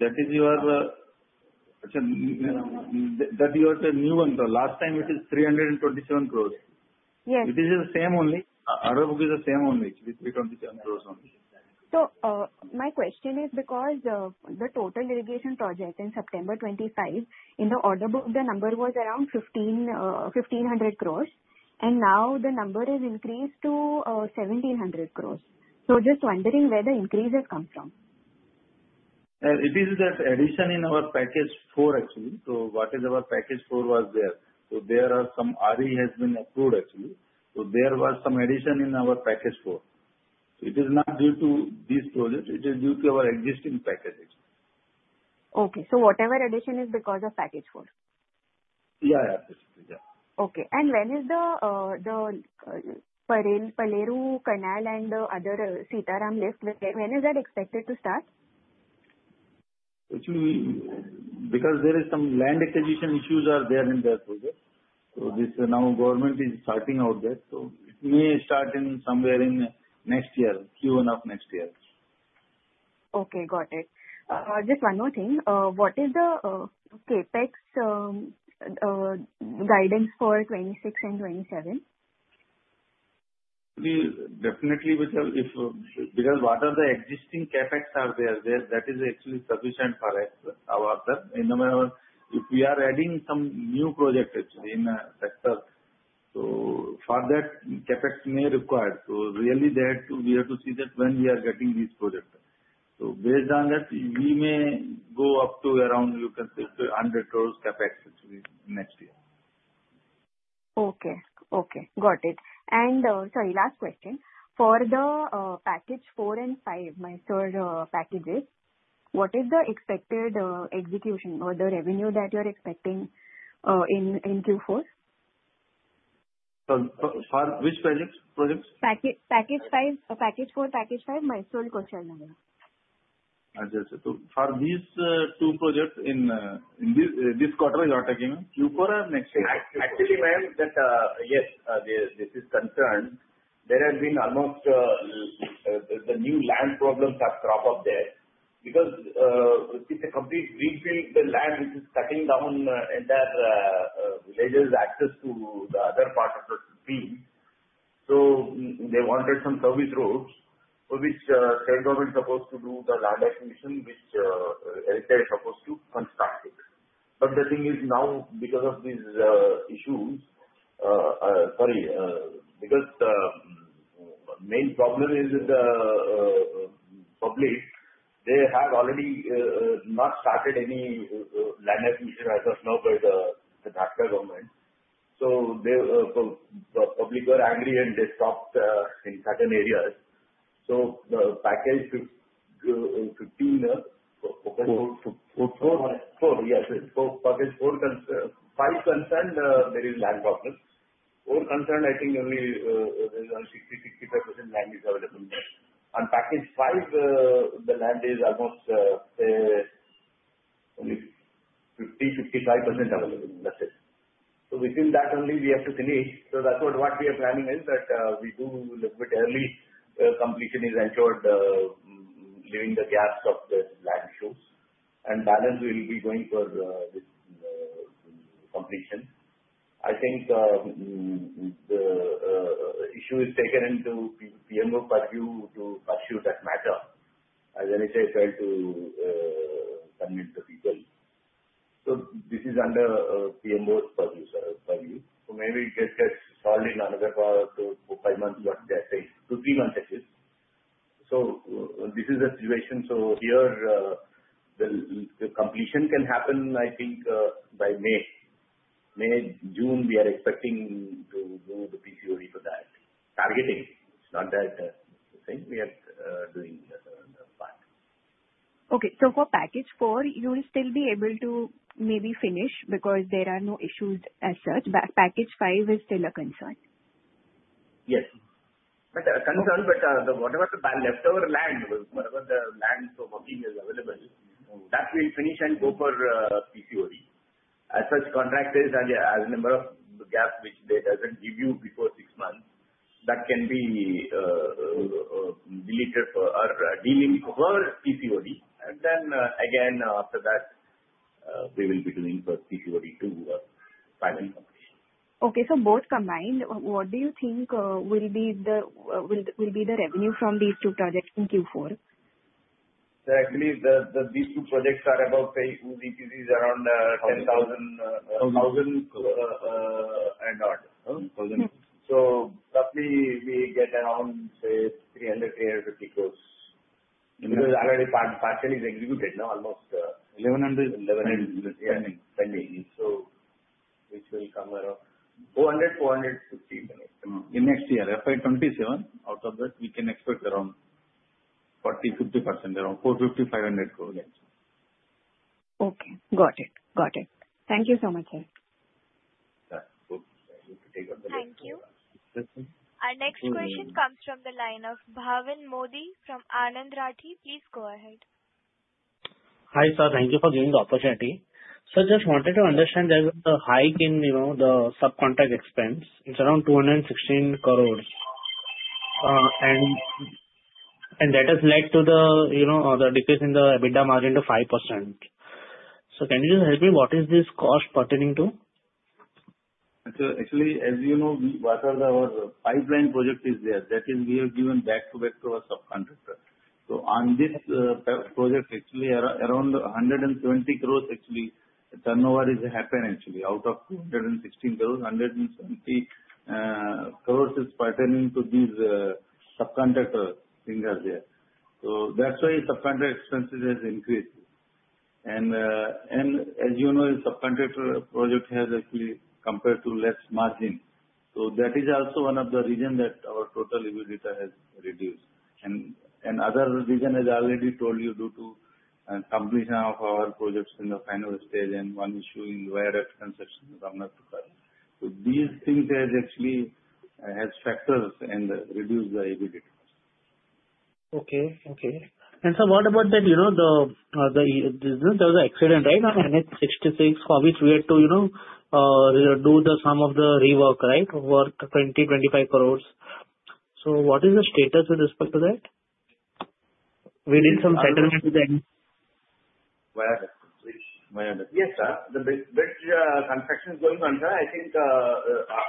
Speaker 2: That is your, actually, that is your new one. The last time it is 327 crore.
Speaker 8: Yes.
Speaker 2: It is the same only. Order book is the same only, 327 crore only.
Speaker 8: So, my question is because the total irrigation project in September 2025, in the order book, the number was around 1,500 crore, and now the number is increased to 1,700 crore. So just wondering where the increase has come from?
Speaker 2: It is that addition in our Package 4, actually. So what is our Package 4 was there. So there are some RE has been approved, actually. So there was some addition in our Package 4. It is not due to this project, it is due to our existing packages.
Speaker 8: Okay. So whatever addition is because of Package 4?
Speaker 2: Yeah, yeah. Absolutely, yeah.
Speaker 8: Okay. And when is the Paleru Canal and the other Sitarama Lift expected to start?
Speaker 2: Actually, because there is some land acquisition issues are there in that project, so this now government is starting out there. So it may start in somewhere in next year, Q1 of next year.
Speaker 8: Okay, got it. Just one more thing. What is the CapEx guidance for 2026 and 2027?
Speaker 2: We definitely will, if... Because what are the existing CapEx are there, there, that is actually sufficient for us. And then when if we are adding some new projects actually in sector, so for that, CapEx may require. So really that, we have to see that when we are getting these projects. So based on that, we may go up to around, you can say, up to 100 crore CapEx actually next year.
Speaker 8: Okay. Okay, got it. Sorry, last question: For the Package 4 and 5, Mysuru packages, what is the expected execution or the revenue that you're expecting in Q4?
Speaker 2: For which projects?
Speaker 8: Package, Package 5, Package 4, Package 5, Mysuru question.
Speaker 4: Understood. So for these two projects in this quarter you are talking, Q4 or next year? Actually, ma'am, that yes, this is concerned. There have been almost the new land problems have cropped up there because it's a complete refill. The land which is cutting down entire villagers' access to the other part of the field. So they wanted some service roads for which state government is supposed to do the land acquisition, which L&T is supposed to construct it. But the thing is now because of these issues, sorry, because the main problem is with the public, they have already not started any land acquisition as of now by the Karnataka government. So they, so the public were angry, and they stopped, in certain areas. So the Package. So Package 4 concerned, 5 concerned, there is land problems. 4 concerned, I think only, there is 65% land is available there. On Package 5, the land is almost, only 55% available, that's it. So within that only we have to finish. So that's what, what we are planning is that, we do little bit early, completion is ensured, leaving the gaps of the land issues, and balance will be going for the, completion. I think, the, issue is taken into PMO purview to pursue that matter, as L&T try to, convince the people. So this is under, PMO's purview, sir, purview. So maybe it gets solved in another 4-5 months, what they're saying, 2-3 months that's it. This is the situation. Here, the completion can happen, I think, by May. May, June, we are expecting to do the PCO for that. Targeting, it's not that the thing we are doing part.
Speaker 8: Okay. So for Package 4, you will still be able to maybe finish because there are no issues as such, but Package 5 is still a concern?...
Speaker 4: Yes. But concerned, but the whatever the leftover land, whatever the land for working is available, that will finish and go for PCOD. As such, contractors have a as number of gap, which they doesn't give you before six months, that can be deleted or dealing per PCOD. And then, again, after that, we will be doing for PCOD to final completion.
Speaker 8: Okay. So both combined, what do you think will be the revenue from these two projects in Q4?
Speaker 2: Actually, these two projects are about, say, two BOTs, around 10,000,000 and odd.
Speaker 8: Mm-hmm.
Speaker 2: Roughly we get around, say, 300-350 crore. Because already partially is executed now, almost.
Speaker 8: Eleven hundred.
Speaker 2: 1,100 crore, yeah, pending. So which will come around 400 crore-450 crore.
Speaker 8: In next year, FY 2027, out of that, we can expect around 40%-50%, around INR 450-INR 500 crore, actually. Okay. Got it, got it. Thank you so much, sir.
Speaker 2: Yeah, cool.
Speaker 1: Thank you. Our next question comes from the line of Bhavin Modi from Anand Rathi. Please go ahead.
Speaker 9: Hi, sir, thank you for giving the opportunity. Sir, just wanted to understand there was a hike in, you know, the subcontract expense. It's around 216 crore. And that has led to the, you know, the decrease in the EBITDA margin to 5%. So can you just help me, what is this cost pertaining to?
Speaker 2: So actually, as you know, we, what are our pipeline project is there, that is we have given back-to-back to our subcontractor. So on this project, actually, around 120 crores actually, turnover is happened actually. Out of 216 crores, 170 crores is pertaining to these subcontractor things are there. So that's why subcontractor expenses has increased. And, and as you know, subcontractor project has actually compared to less margin. So that is also one of the reason that our total EBITDA has reduced. And, and other reason, as I already told you, due to completion of our projects in the final stage and one issuing wire extension from us to her. So these things has actually, has factors and reduce the EBITDA.
Speaker 9: Okay, okay. So what about that, you know, the there was an accident, right? On NH-66, for which we had to, you know, do some of the rework, right? Work 20-25 crores. So what is the status with respect to that? We need some settlement with them.
Speaker 2: Yes, sir. The bridge construction is going on, sir. I think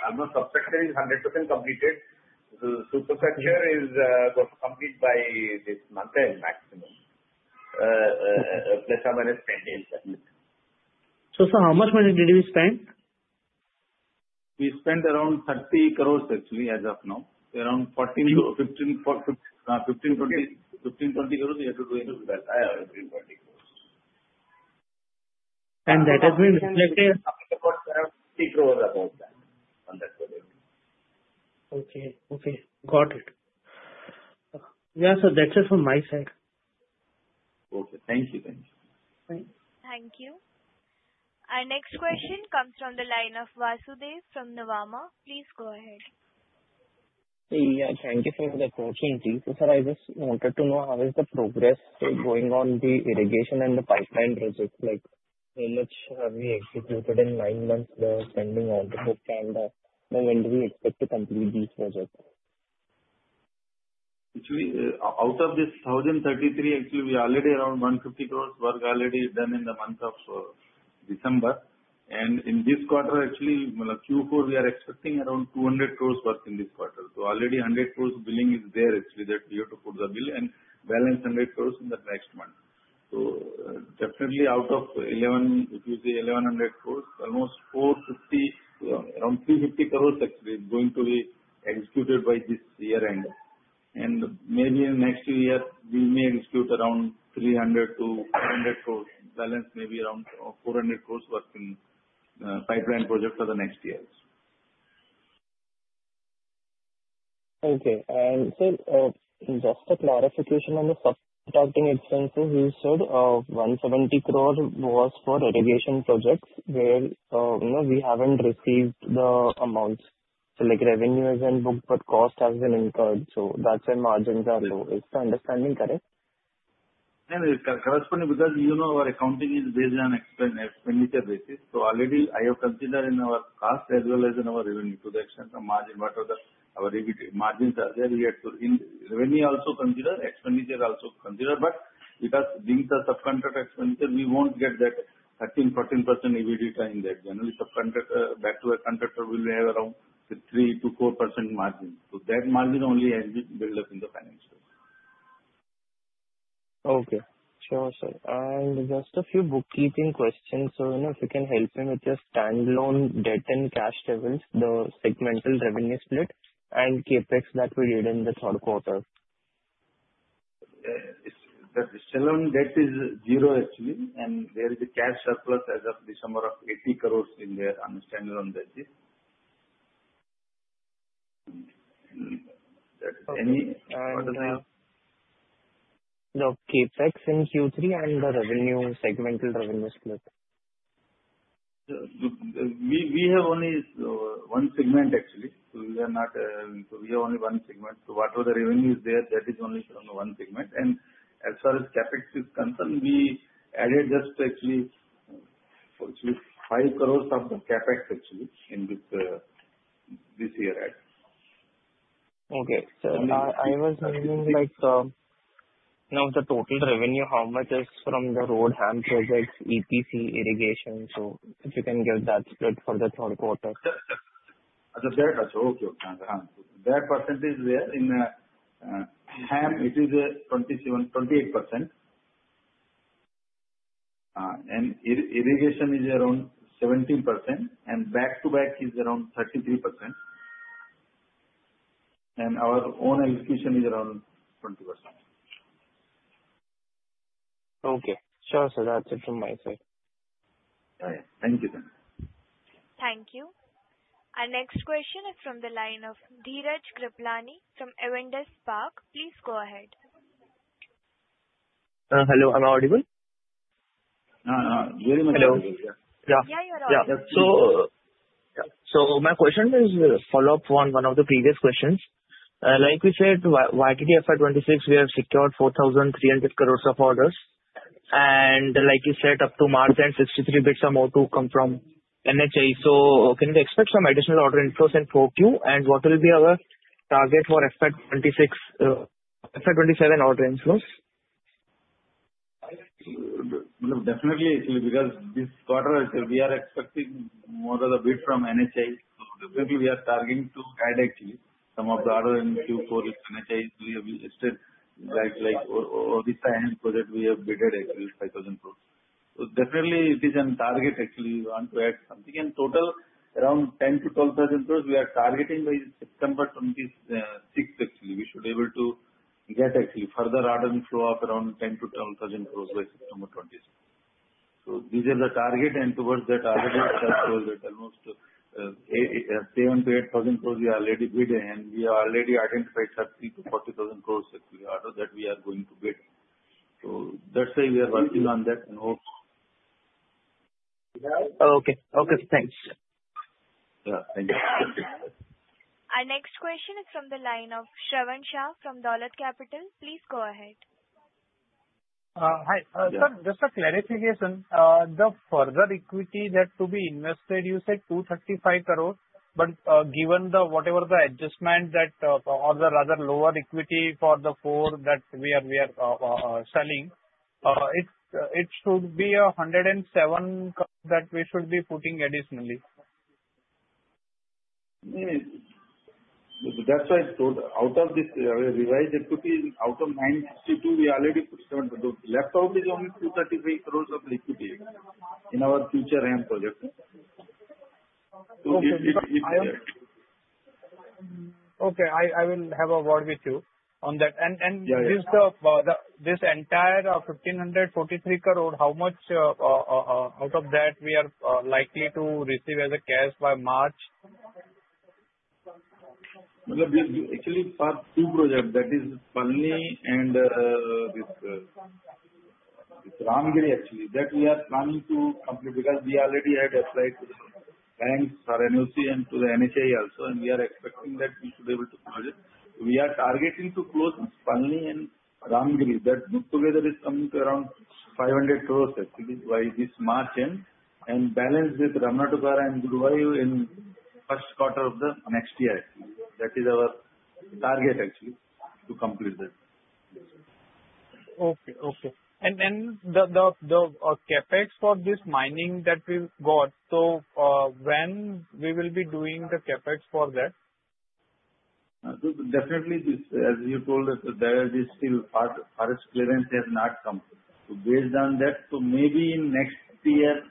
Speaker 2: almost substructure is 100% completed. The superstructure is got complete by this month end, maximum. ±10 days, at least.
Speaker 9: So, sir, how much money did you spend?
Speaker 2: We spent around 30 crores actually, as of now. Around INR 14, 15, 14, 15, 20, 15, 20 crores, we have to do it with that. 15, 20 crores.
Speaker 9: That has been reflected?
Speaker 2: About 3 crore, about that, on that project.
Speaker 9: Okay, okay. Got it. Yeah, so that's it from my side.
Speaker 2: Okay. Thank you, thank you.
Speaker 9: Thank you.
Speaker 1: Thank you. Our next question comes from the line of Vasudev from Nuvama. Please go ahead.
Speaker 10: Yeah, thank you, sir, for the opportunity. Sir, I just wanted to know, how is the progress going on the irrigation and the pipeline projects? Like, how much have we executed in nine months, the spending on the book, and when do we expect to complete these projects?
Speaker 2: Actually, out of this 1,033, actually we already around 150 crores work already done in the month of December. And in this quarter, actually, well, Q4, we are expecting around 200 crores worth in this quarter. So already 100 crores billing is there, actually, that we have to put the bill and balance 100 crores in the next month. So definitely out of 1,100, if you say 1,100 crores, almost 450 crores, around 350 crores actually is going to be executed by this year end. And maybe in next year, we may execute around 300 crores-400 crores, balance maybe around 400 crores working, pipeline project for the next years.
Speaker 10: Okay. And sir, just a clarification on the subcontracting expenses. You said, 170 crore was for irrigation projects, where, you know, we haven't received the amounts. So like revenue is in book, but cost has been incurred, so that's why margins are low. Is my understanding correct?
Speaker 2: And it's corresponding because, you know, our accounting is based on expenditure basis. So already I have considered in our cost as well as in our revenue to the extent the margin, what are the... Our EBITDA margins are there, we have to, in revenue also consider, expenditure also consider, but because these are subcontractor expenses, we won't get that 13%-14% EBITDA in that. Generally, subcontractor, back to a contractor will have around say 3%-4% margin. So that margin only has been built up in the financial.
Speaker 10: Okay. Sure, sir. And just a few bookkeeping questions. So, you know, if you can help me with your standalone debt and cash levels, the segmental revenue split and CapEx that we did in the third quarter?
Speaker 2: The standalone debt is zero, actually, and there is a cash surplus as of December of 80 crores in their, on the standalone basis.
Speaker 10: The CapEx in Q3 and the revenue, segmental revenue split?
Speaker 2: We have only one segment actually. So we are not, so we have only one segment. So what are the revenues there? That is only from the one segment. And as far as CapEx is concerned, we added just actually, actually 5 crore from the CapEx, actually, in this year ahead.
Speaker 10: Okay. So I was wondering, like, now the total revenue, how much is from the road HAM projects, EPC, irrigation? So if you can give that split for the third quarter.
Speaker 2: Yes, yes. Okay, okay. That percentage there in HAM, it is 27-28%. And irrigation is around 17%, and back-to-back is around 33%. And our own execution is around 20%.
Speaker 10: Okay. Sure, sir. That's it from my side.
Speaker 2: All right. Thank you then.
Speaker 1: Thank you. Our next question is from the line of Dheeraj Kruplani from Avendus Spark. Please go ahead.
Speaker 11: Hello, am I audible?
Speaker 2: Very much.
Speaker 11: Hello.
Speaker 1: Yeah, you're audible.
Speaker 11: Yeah. Yeah. So my question is follow-up on one of the previous questions. Like you said, YTD FY 2026, we have secured 4,300 crore of orders. And like you said, up to March, then 63 bids or more to come from NHAI. So can we expect some additional order inflows in 4Q? And what will be our target for FY 2026, FY 2027 order inflows?
Speaker 4: Definitely, actually, because this quarter we are expecting more of the bid from NHAI. So definitely we are targeting to guide actually some of the order in Q4 with NHAI. We have listed like Odisha and project we have bid actually INR 5,000 crore. So definitely it is a target actually we want to add something. In total, around 10,000-12,000 crore we are targeting by September 26th actually. We should be able to get actually further order inflow of around 10,000-12,000 crore by September 26th. So these are the target, and towards that target almost seven to eight thousand crore we already bid, and we already identified 30,000-40,000 crore actually, order that we are going to bid. So that's why we are working on that, and hope.
Speaker 11: Okay. Okay, thanks.
Speaker 2: Thank you.
Speaker 1: Our next question is from the line of Shravan Shah from Dolat Capital. Please go ahead.
Speaker 3: Uh, hi.
Speaker 2: Yeah.
Speaker 3: Sir, just a clarification. The further equity that to be invested, you said 235 crore, but, given the whatever the adjustment that, or the rather lower equity for the four that we are selling, it should be 107 crore that we should be putting additionally.
Speaker 2: That's why I told out of this, revised equity, out of 962, we already put 7 crore. Left out is only 233 crore of equity in our future HAM projects. So it,
Speaker 3: Okay. I will have a word with you on that.
Speaker 2: Right.
Speaker 3: This entire 1,543 crore, how much out of that we are likely to receive as a cash by March?
Speaker 2: Well, we actually passed two projects, that is Palani and this Ramagiri, actually. That we are planning to complete, because we already had applied to the banks for NOC and to the NHAI also, and we are expecting that we should be able to close it. We are targeting to close Palani and Ramagiri. That put together is coming to around 500 crore actually, by this March end, and balance with Ramanathapuram and Guruvayur in first quarter of the next year. That is our target, actually, to complete that.
Speaker 3: Okay, okay. And then the CapEx for this mining that we've got, so, when we will be doing the CapEx for that?
Speaker 2: Definitely, as you told us, there is still forest clearance has not come. So based on that, maybe in next year,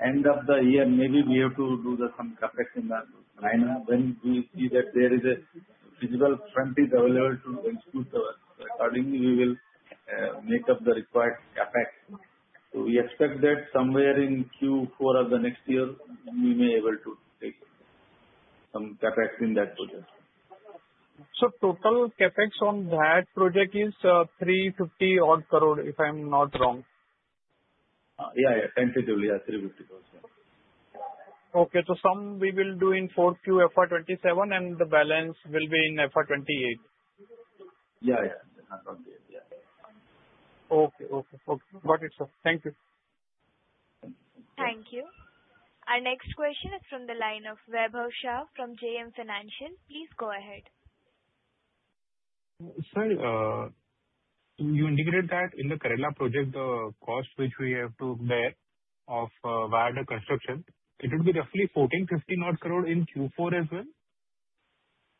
Speaker 2: end of the year, maybe we have to do the some CapEx in that line. When we see that there is a feasible front is available to execute, accordingly we will make up the required CapEx. So we expect that somewhere in Q4 of the next year, we may able to take some CapEx in that project.
Speaker 3: Total CapEx on that project is 350-odd crore, if I'm not wrong.
Speaker 2: Yeah, yeah. Tentatively, yeah, INR 350 crore, yeah.
Speaker 3: Okay. So some we will do in Q4, FY 2027, and the balance will be in FY 2028.
Speaker 2: Yeah, yeah. Okay, yeah.
Speaker 3: Okay, okay, okay. Got it, sir. Thank you.
Speaker 1: Thank you. Our next question is from the line of Vaibhav Shah from JM Financial. Please go ahead.
Speaker 6: Sir, you indicated that in the Kerala project, the cost which we have to bear of, via the construction, it would be roughly 14 crore-15 crore odd in Q4 as well?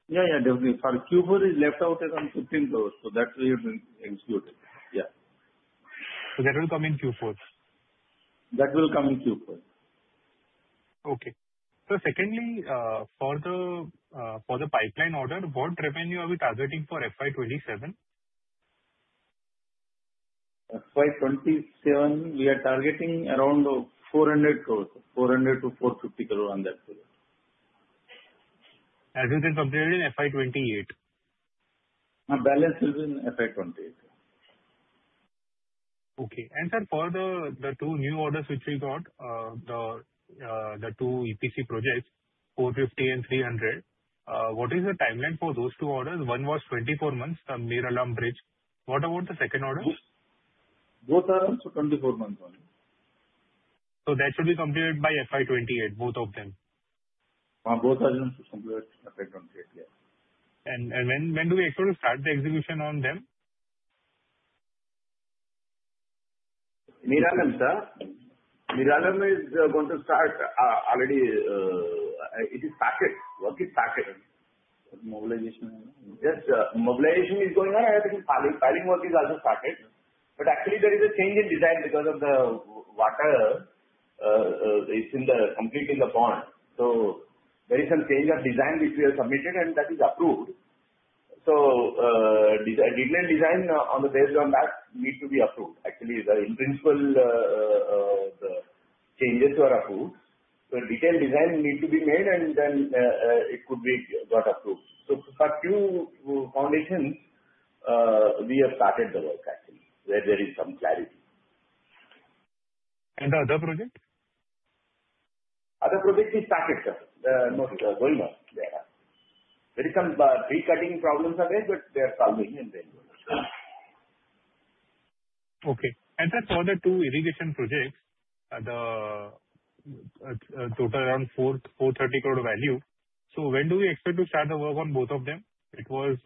Speaker 2: Yeah, yeah, definitely. For Q4 is left out as on 15 crore, so that we have been included. Yeah.
Speaker 6: So that will come in Q4?
Speaker 2: That will come in Q4.
Speaker 6: Okay. So secondly, for the pipeline order, what revenue are we targeting for FY 2027?
Speaker 2: FY 27, we are targeting around 400 crore. 400-450 crore on that project....
Speaker 6: as it is completed in FY 2028?
Speaker 2: Balance will be in FY 28.
Speaker 6: Okay. And sir, for the two new orders which we got, the two EPC projects, 450 and 300, what is the timeline for those two orders? One was 24 months, the Mir Alam Bridge. What about the second order?
Speaker 2: Both are on 24 months only.
Speaker 6: That should be completed by FY 2028, both of them?
Speaker 2: Both are going to complete FY 28, yeah.
Speaker 6: When do we expect to start the execution on them?
Speaker 4: Mir Alam, sir? Mir Alam is going to start already. It is started, work is started.
Speaker 6: Mobilization.
Speaker 4: Yes, mobilization is going on and the piling, piling work is also started. But actually there is a change in design because of the water is complete in the pond. So there is some change of design which we have submitted, and that is approved. So, detailed design on the basis of that need to be approved. Actually, in principle, the changes were approved, so detailed design need to be made and then, it could be got approved. So for two foundations, we have started the work actually, where there is some clarity.
Speaker 6: The other project?
Speaker 4: Other project is started, sir. Not going on there. There is some tree cutting problems are there, but they are solving and then-
Speaker 6: Okay. Sir, for the two irrigation projects, the total around 430 crore value, so when do we expect to start the work on both of them? It was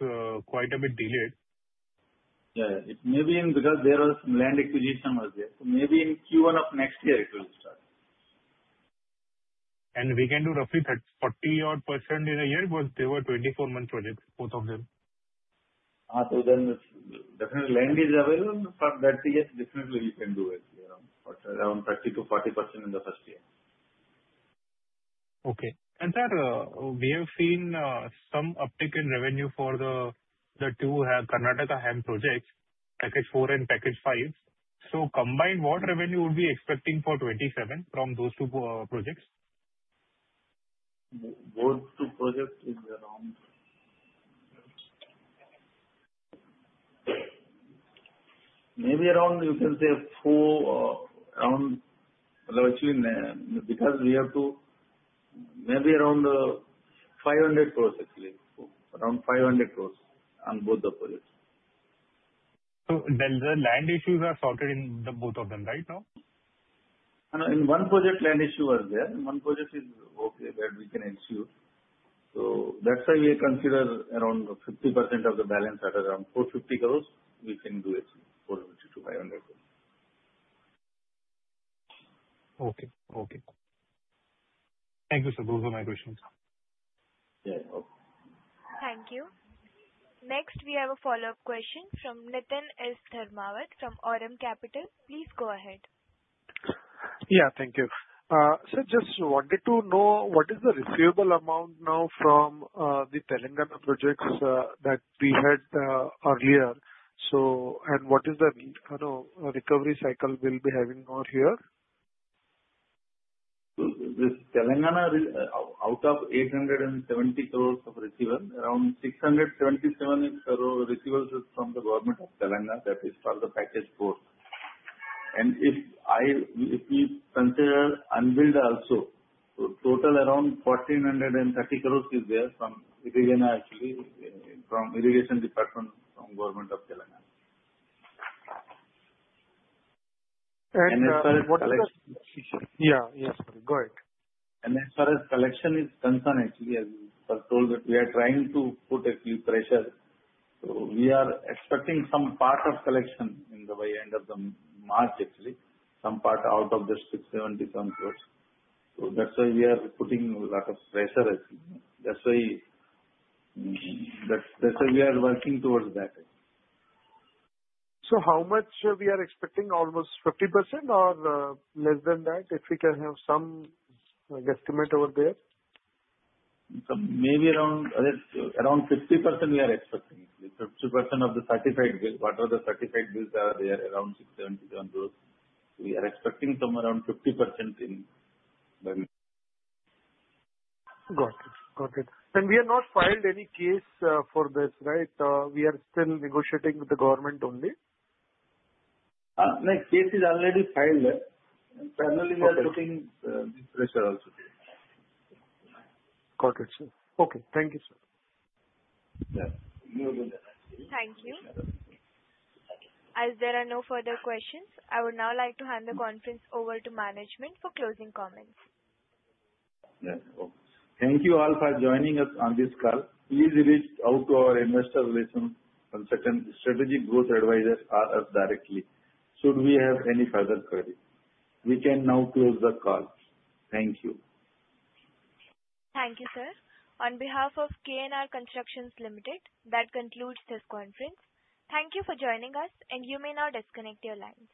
Speaker 6: quite a bit delayed.
Speaker 2: Yeah, it may be in because there was land acquisition was there. So maybe in Q1 of next year it will start.
Speaker 6: We can do roughly 30%-odd in a year, because they were 24-month projects, both of them.
Speaker 2: So then definitely land is available, but that year definitely we can do it, yeah, around 30%-40% in the first year.
Speaker 6: Okay. And sir, we have seen some uptick in revenue for the 2 Karnataka HAM projects, Package 4 and Package 5. So combined, what revenue would be expecting for 2027 from those two projects?
Speaker 2: Those two projects is around, maybe around, you can say 4, around. Well, actually, because we have to, maybe around, 500 crores actually. Around 500 crores on both the projects.
Speaker 6: So then the land issues are sorted in the both of them right now?
Speaker 2: In one project, land issue was there, one project is okay, that we can assure. So that's why we consider around 50% of the balance, that is around 450 crores, we can do it, 400-500 crores.
Speaker 6: Okay. Okay. Thank you, sir. Those were my questions.
Speaker 2: Yeah, you're welcome.
Speaker 1: Thank you. Next, we have a follow-up question from Niteen S. Dharmawat from Aurum Capital. Please go ahead.
Speaker 5: Yeah, thank you. So just wanted to know what is the receivable amount now from the Telangana projects that we had earlier? So, and what is the, you know, recovery cycle we'll be having over here?
Speaker 2: This Telangana is out of 870 crore of receivables, around 677 crore receivables is from the government of Telangana, that is for the Package 4. If we consider unbilled also, so total around 1,430 crore is there from irrigation actually, from Irrigation Department from government of Telangana.
Speaker 5: What is the-
Speaker 2: Collection.
Speaker 5: Yeah, yes. Go ahead.
Speaker 2: As far as collection is concerned, actually, as I told that we are trying to put a few pressure. So we are expecting some part of collection in the very end of the March, actually, some part out of this 677 crore. So that's why we are putting a lot of pressure actually. That's why, that's, that's why we are working towards that.
Speaker 5: So how much we are expecting, almost 50% or, less than that? If we can have some guesstimate over there.
Speaker 2: Some, maybe around 50% we are expecting. 50% of the certified bill. What are the certified bills are there? Around 677 crore. We are expecting some around 50% in them.
Speaker 5: Got it. Got it. We have not filed any case, for this, right? We are still negotiating with the government only.
Speaker 4: No, case is already filed.
Speaker 5: Okay.
Speaker 2: And parallelly, we are putting pressure also.
Speaker 5: Got it, sir. Okay. Thank you, sir.
Speaker 2: Yeah, you're welcome.
Speaker 1: Thank you. As there are no further questions, I would now like to hand the conference over to management for closing comments.
Speaker 2: Yes. Oh, thank you all for joining us on this call. Please reach out to our investor relations and certain Strategic Growth Advisors or us directly, should we have any further queries. We can now close the call. Thank you.
Speaker 1: Thank you, sir. On behalf of KNR Constructions Limited, that concludes this conference. Thank you for joining us, and you may now disconnect your lines.